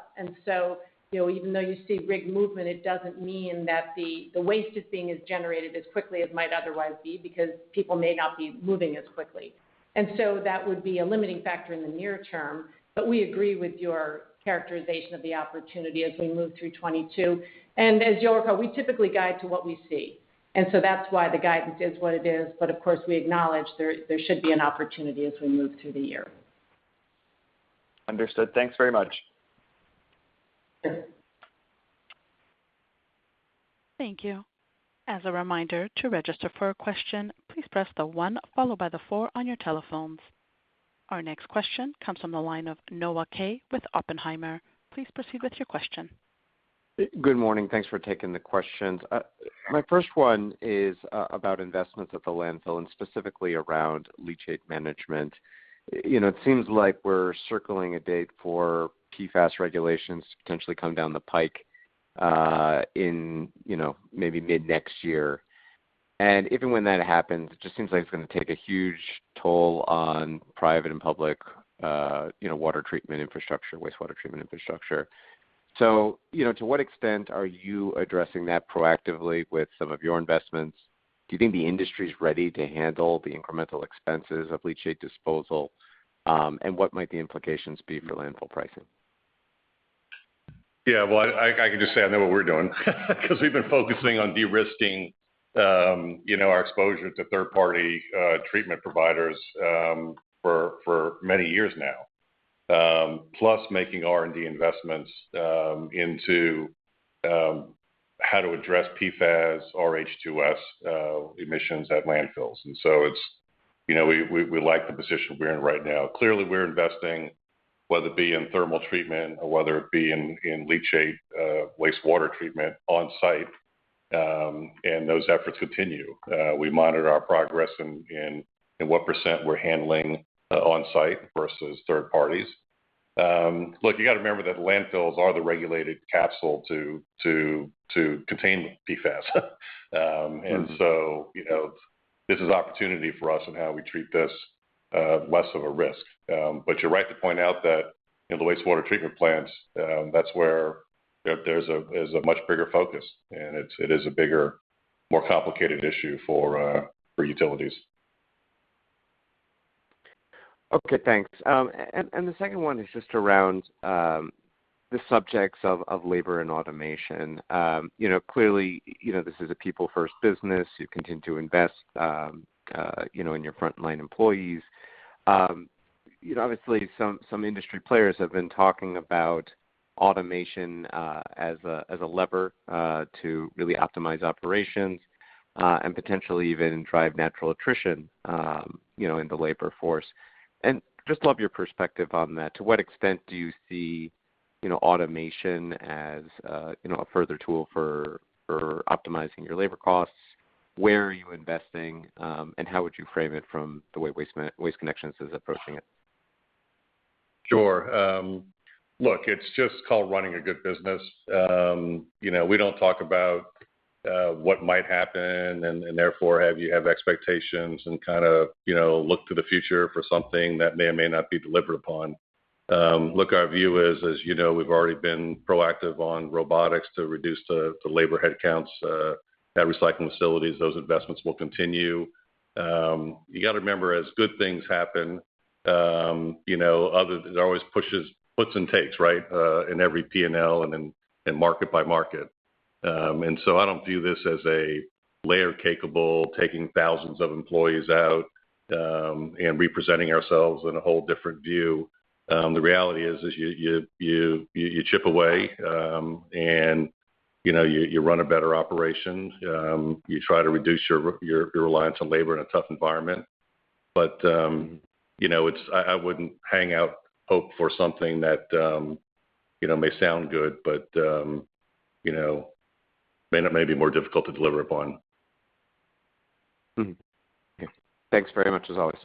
You know, even though you see rig movement, it doesn't mean that the waste is being as generated as quickly as it might otherwise be because people may not be moving as quickly. That would be a limiting factor in the near term, but we agree with your characterization of the opportunity as we move through 2022. As you'll recall, we typically guide to what we see. That's why the guidance is what it is. Of course, we acknowledge there should be an opportunity as we move through the year. Understood. Thanks very much. Sure. Thank you. As a reminder, to register for a question, please press star 1 on your telephones. Our next question comes from the line of Noah Kaye with Oppenheimer. Please proceed with your question. Good morning. Thanks for taking the questions. My first one is about investments at the landfill and specifically around leachate management. You know, it seems like we're circling a date for PFAS regulations to potentially come down the pike, you know, maybe mid-next year. Even when that happens, it just seems like it's going to take a huge toll on private and public, you know, water treatment infrastructure, wastewater treatment infrastructure. You know, to what extent are you addressing that proactively with some of your investments? Do you think the industry's ready to handle the incremental expenses of leachate disposal? What might the implications be for landfill pricing? Yeah. Well, I can just say I know what we're doing 'cause we've been focusing on de-risking, you know, our exposure to third-party treatment providers for many years now. Plus making R&D investments into how to address PFAS or H2S emissions at landfills. It's, you know, we like the position we're in right now. Clearly, we're investing, whether it be in thermal treatment or whether it be in leachate wastewater treatment on-site, and those efforts continue. We monitor our progress in what percent we're handling on-site versus third parties. Look, you gotta remember that landfills are the regulated capsule to contain PFAS. Mm-hmm. You know, this is an opportunity for us and how we treat this less of a risk. But you're right to point out that in the wastewater treatment plants, that's where there's a much bigger focus, and it is a bigger, more complicated issue for utilities. Okay, thanks. The second one is just around the subjects of labor and automation. You know, clearly, you know, this is a people-first business. You continue to invest, you know, in your frontline employees. You know, obviously some industry players have been talking about automation as a lever to really optimize operations and potentially even drive natural attrition, you know, in the labor force. Just love your perspective on that. To what extent do you see, you know, automation as, you know, a further tool for optimizing your labor costs? Where are you investing? How would you frame it from the way Waste Connections is approaching it? Sure. Look, it's just called running a good business. You know, we don't talk about what might happen and therefore you have expectations and kind of, you know, look to the future for something that may or may not be delivered upon. Look, our view is, as you know, we've already been proactive on robotics to reduce the labor headcounts at recycling facilities. Those investments will continue. You got to remember, as good things happen, you know, there's always pushes, gives and takes, right, in every P&L and then in market by market. I don't view this as a layer cake-able, taking thousands of employees out, and representing ourselves in a whole different view. The reality is you chip away, and you know, you run a better operation. You try to reduce your reliance on labor in a tough environment. You know, I wouldn't hold out hope for something that, you know, may sound good but, you know, may be more difficult to deliver upon. Okay. Thanks very much as always.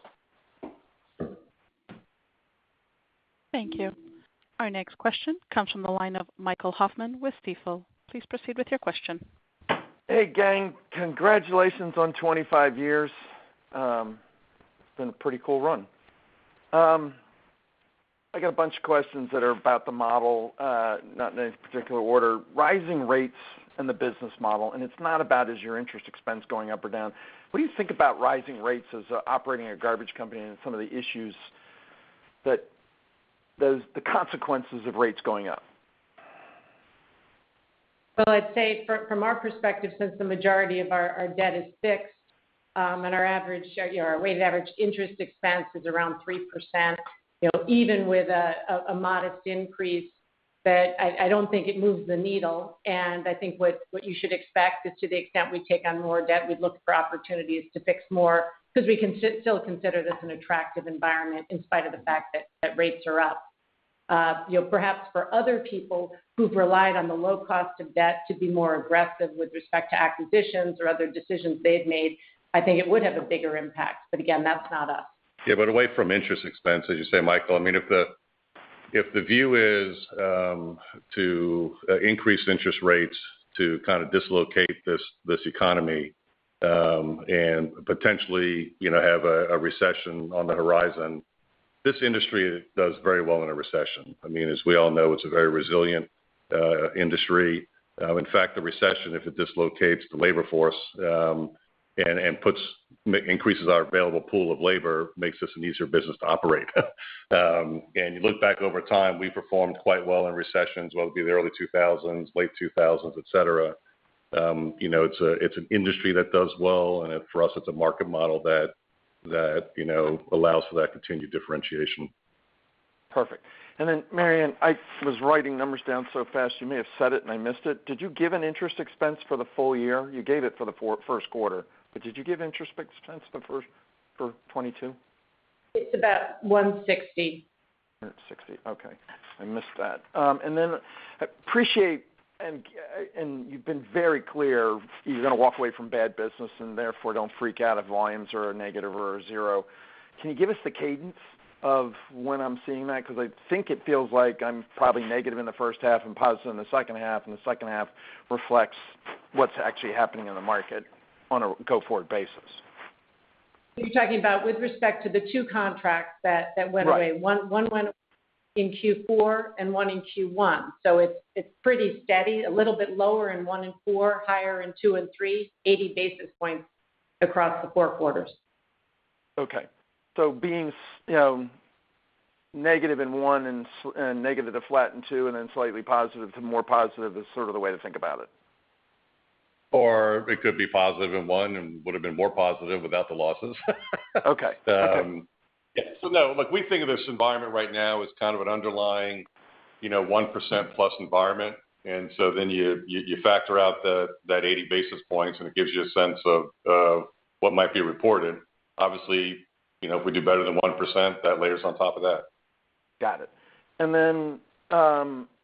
Sure. Thank you. Our next question comes from the line of Michael Hoffman with Stifel. Please proceed with your question. Hey, gang. Congratulations on 25 years. It's been a pretty cool run. I got a bunch of questions that are about the model, not in any particular order. Rising rates in the business model. It's not about your interest expense going up or down. What do you think about rising rates as operating a garbage company and some of the issues, the consequences of rates going up? Well, I'd say from our perspective, since the majority of our debt is fixed, and our weighted average interest expense is around 3%, you know, even with a modest increase that I don't think it moves the needle. I think what you should expect is to the extent we take on more debt, we'd look for opportunities to fix more because we can still consider this an attractive environment in spite of the fact that rates are up. You know, perhaps for other people who've relied on the low cost of debt to be more aggressive with respect to acquisitions or other decisions they've made, I think it would have a bigger impact. Again, that's not us. Yeah. Away from interest expense, as you say, Michael, I mean, if the view is to increase interest rates to kind of dislocate this economy and potentially, you know, have a recession on the horizon, this industry does very well in a recession. I mean, as we all know, it's a very resilient industry. In fact, the recession, if it dislocates the labor force and increases our available pool of labor makes us an easier business to operate. You look back over time, we performed quite well in recessions, whether it be the early 2000s, late 2000s, et cetera. You know, it's an industry that does well, and for us, it's a market model that, you know, allows for that continued differentiation. Perfect. Mary Anne, I was writing numbers down so fast, you may have said it and I missed it. Did you give an interest expense for the full year? You gave it for the Q1, but did you give interest expense for 2022? It's about 160. 160. Okay. I missed that. I appreciate, and you've been very clear you're going to walk away from bad business and therefore don't freak out if volumes are negative or are zero. Can you give us the cadence of when I'm seeing that? Because I think it feels like I'm probably negative in the H1 and positive in the H2, and the H2 reflects what's actually happening in the market on a go-forward basis. You're talking about with respect to the two contracts that went away. Right. One, one went in Q4 and one in Q1. It's pretty steady, a little bit lower in one and four, higher in two and three, 80-basis points across the four quarters. Okay. Being, you know, negative in one and negative to flat in two and then slightly positive to more positive is sort of the way to think about it. It could be positive in one and would have been more positive without the losses. Okay. Okay. Yeah. No, look, we think of this environment right now as kind of an underlying, you know, 1%+ environment. You factor out that 80-basis points, and it gives you a sense of what might be reported. Obviously, you know, if we do better than 1%, that layers on top of that. Got it. Then,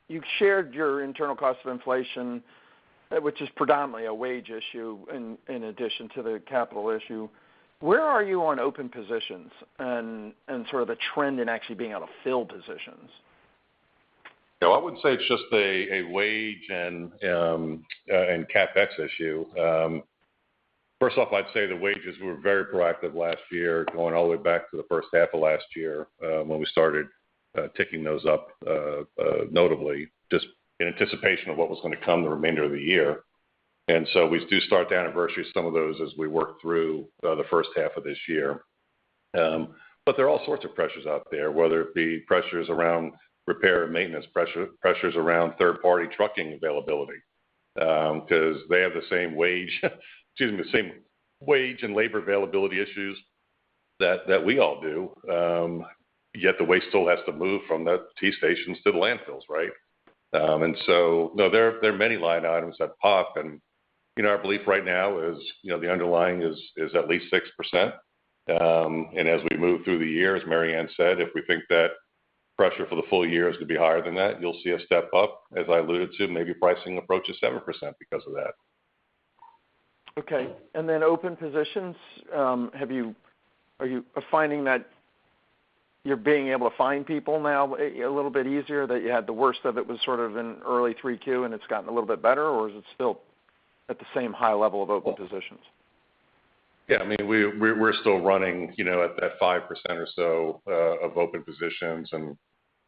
you've shared your internal cost of inflation, which is predominantly a wage issue in addition to the capital issue. Where are you on open positions and sort of the trend in actually being able to fill positions? No, I wouldn't say it's just a wage and CapEx issue. First off, I'd say the wages, we were very proactive last year, going all the way back to the H1 of last year, when we started ticking those up notably just in anticipation of what was going to come the remainder of the year. We do start to anniversary some of those as we work through the H1 of this year. There are all sorts of pressures out there, whether it be pressures around repair and maintenance, pressures around third-party trucking availability, because they have the same wage, excuse me, same wage and labor availability issues that we all do. Yet the waste still has to move from the transfer stations to the landfills, right? No, there are many line items that pop. You know, our belief right now is, you know, the underlying is at least 6%. As we move through the year, as Mary Anne said, if we think that pressure for the full year is to be higher than that, you'll see us step up, as I alluded to, maybe pricing approaches 7% because of that. Okay. Open positions, are you finding that you're being able to find people now a little bit easier, that you had the worst of it was sort of in early 3Q and it's gotten a little bit better, or is it still at the same high level of open positions? Yeah. I mean, we're still running, you know, at that 5% or so of open positions.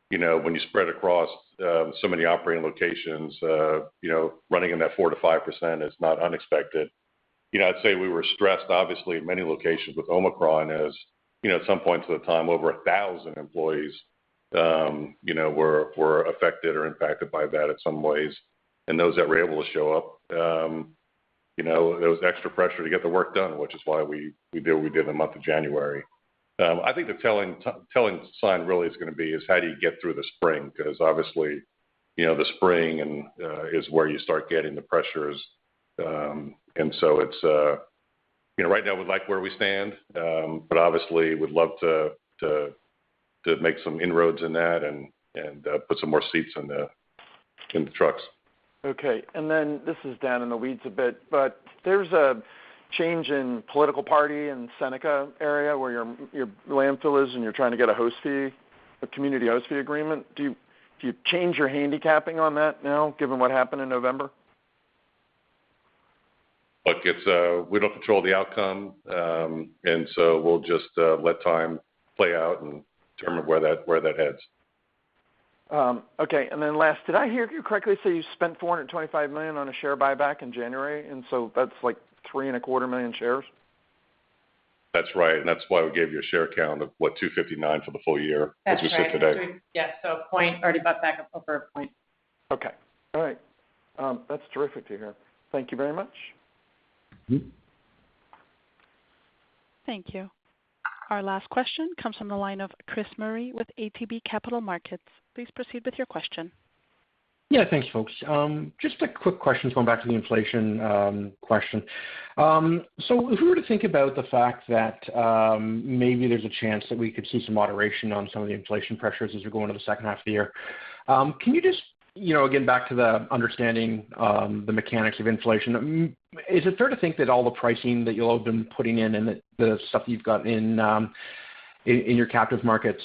You know, when you spread across so many operating locations, you know, running in that 4%-5% is not unexpected. You know, I'd say we were stressed, obviously, in many locations with Omicron, as you know, at some points in time, over 1,000 employees, you know, were affected or impacted by that in some ways. Those that were able to show up, you know, there was extra pressure to get the work done, which is why we did what we did in the month of January. I think the telling sign really is going to be how do you get through the spring? Because obviously, you know, the spring and is where you start getting the pressures. It's, you know, right now we like where we stand, but obviously we'd love to make some inroads in that and put some more seats in the trucks. Okay. This is down in the weeds a bit, but there's a change in political party in Seneca area where your landfill is and you're trying to get a host fee, a community host fee agreement. Do you change your handicapping on that now, given what happened in November? Look, it's we don't control the outcome, and so we'll just let time play out and determine where that heads. Okay. Last, did I hear you correctly say you spent $425 million on a share buyback in January, and so that's like 3.25 million shares? That's right. That's why we gave you a share count of what, 259 for the full year- That's right. which was good today. Yes. A point already bounced back up over a point. Okay. All right. That's terrific to hear. Thank you very much. Mm-hmm. Thank you. Our last question comes from the line of Chris Murray with ATB Capital Markets. Please proceed with your question. Yeah, thanks, folks. Just a quick question going back to the inflation question. If we were to think about the fact that maybe there's a chance that we could see some moderation on some of the inflation pressures as we go into the H2 of the year, can you just, you know, again, back to the understanding the mechanics of inflation, is it fair to think that all the pricing that you all have been putting in and the stuff you've got in your captive markets,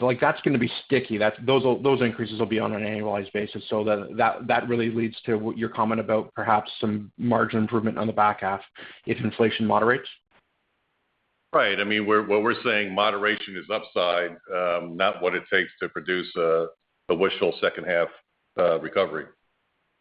like, that's going to be sticky? Those increases will be on an annualized basis. That really leads to what your comment about perhaps some margin improvement on the back half if inflation moderates? Right. I mean, what we're saying moderation is upside, not what it takes to produce a wishful H2 recovery.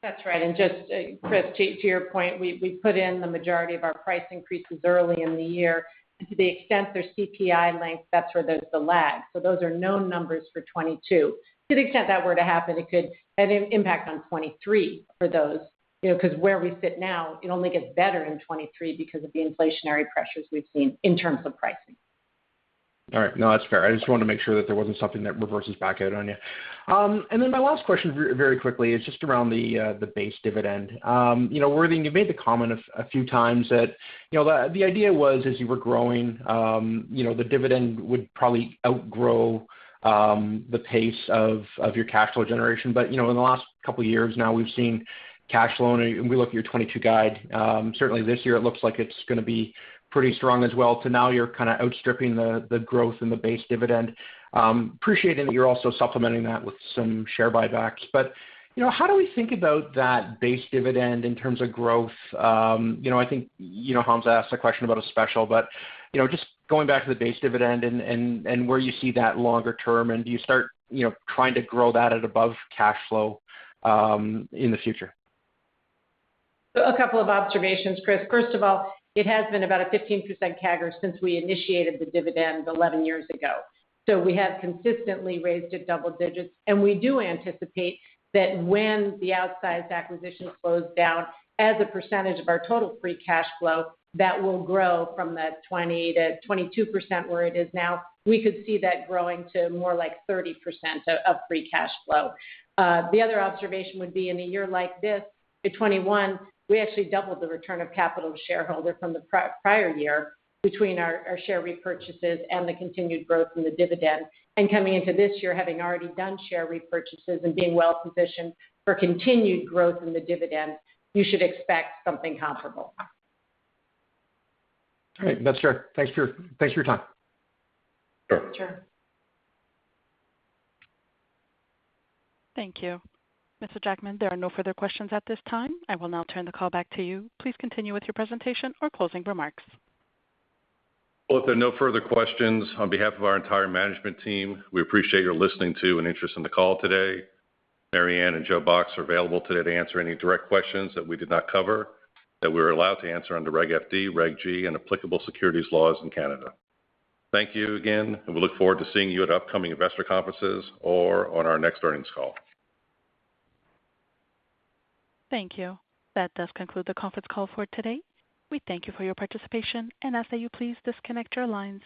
That's right. Just, Chris, to your point, we put in the majority of our price increases early in the year. To the extent there's CPI-linked, that's where there's the lag. Those are known numbers for 2022. To the extent that were to happen, it could have an impact on 2023 for those, you know, 'cause where we sit now, it only gets better in 2023 because of the inflationary pressures we've seen in terms of pricing. All right. No, that's fair. I just wanted to make sure that there wasn't something that reverses back out on you. Then my last question very, very quickly is just around the base dividend. You know, Worthing, you made the comment a few times that you know the idea was as you were growing you know the dividend would probably outgrow the pace of your cash flow generation. You know, in the last couple of years now we've seen cash flow, and we look at your 2022 guide, certainly this year it looks like it's going to be pretty strong as well. Now you're kind of outstripping the growth in the base dividend. Appreciating that you're also supplementing that with some share buybacks. You know, how do we think about that base dividend in terms of growth? You know, I think, you know, Hamzah asked a question about a special, but you know, just going back to the base dividend and where you see that longer term, and do you start, you know, trying to grow that at above cash flow in the future? A couple of observations, Chris. First of all, it has been about a 15% CAGR since we initiated the dividend 11 years ago. We have consistently raised it double digits, and we do anticipate that when the outsize acquisition slows down as a percentage of our total free cash flow, that will grow from the 20%-22% where it is now. We could see that growing to more like 30% of free cash flow. The other observation would be in a year like this, in 2021, we actually doubled the return of capital to shareholder from the prior year between our share repurchases and the continued growth in the dividend. Coming into this year, having already done share repurchases and being well-positioned for continued growth in the dividend, you should expect something comparable. All right. That's fair. Thanks for your time. Sure. Sure. Thank you. Mr. Jackman, there are no further questions at this time. I will now turn the call back to you. Please continue with your presentation or closing remarks. Well, if there are no further questions, on behalf of our entire management team, we appreciate your listening to and interest in the call today. Mary Anne and Joe Box are available today to answer any direct questions that we did not cover that we're allowed to answer under Reg FD, Reg G, and applicable securities laws in Canada. Thank you again, and we look forward to seeing you at upcoming investor conferences or on our next earnings call. Thank you. That does conclude the conference call for today. We thank you for your participation and ask that you please disconnect your lines.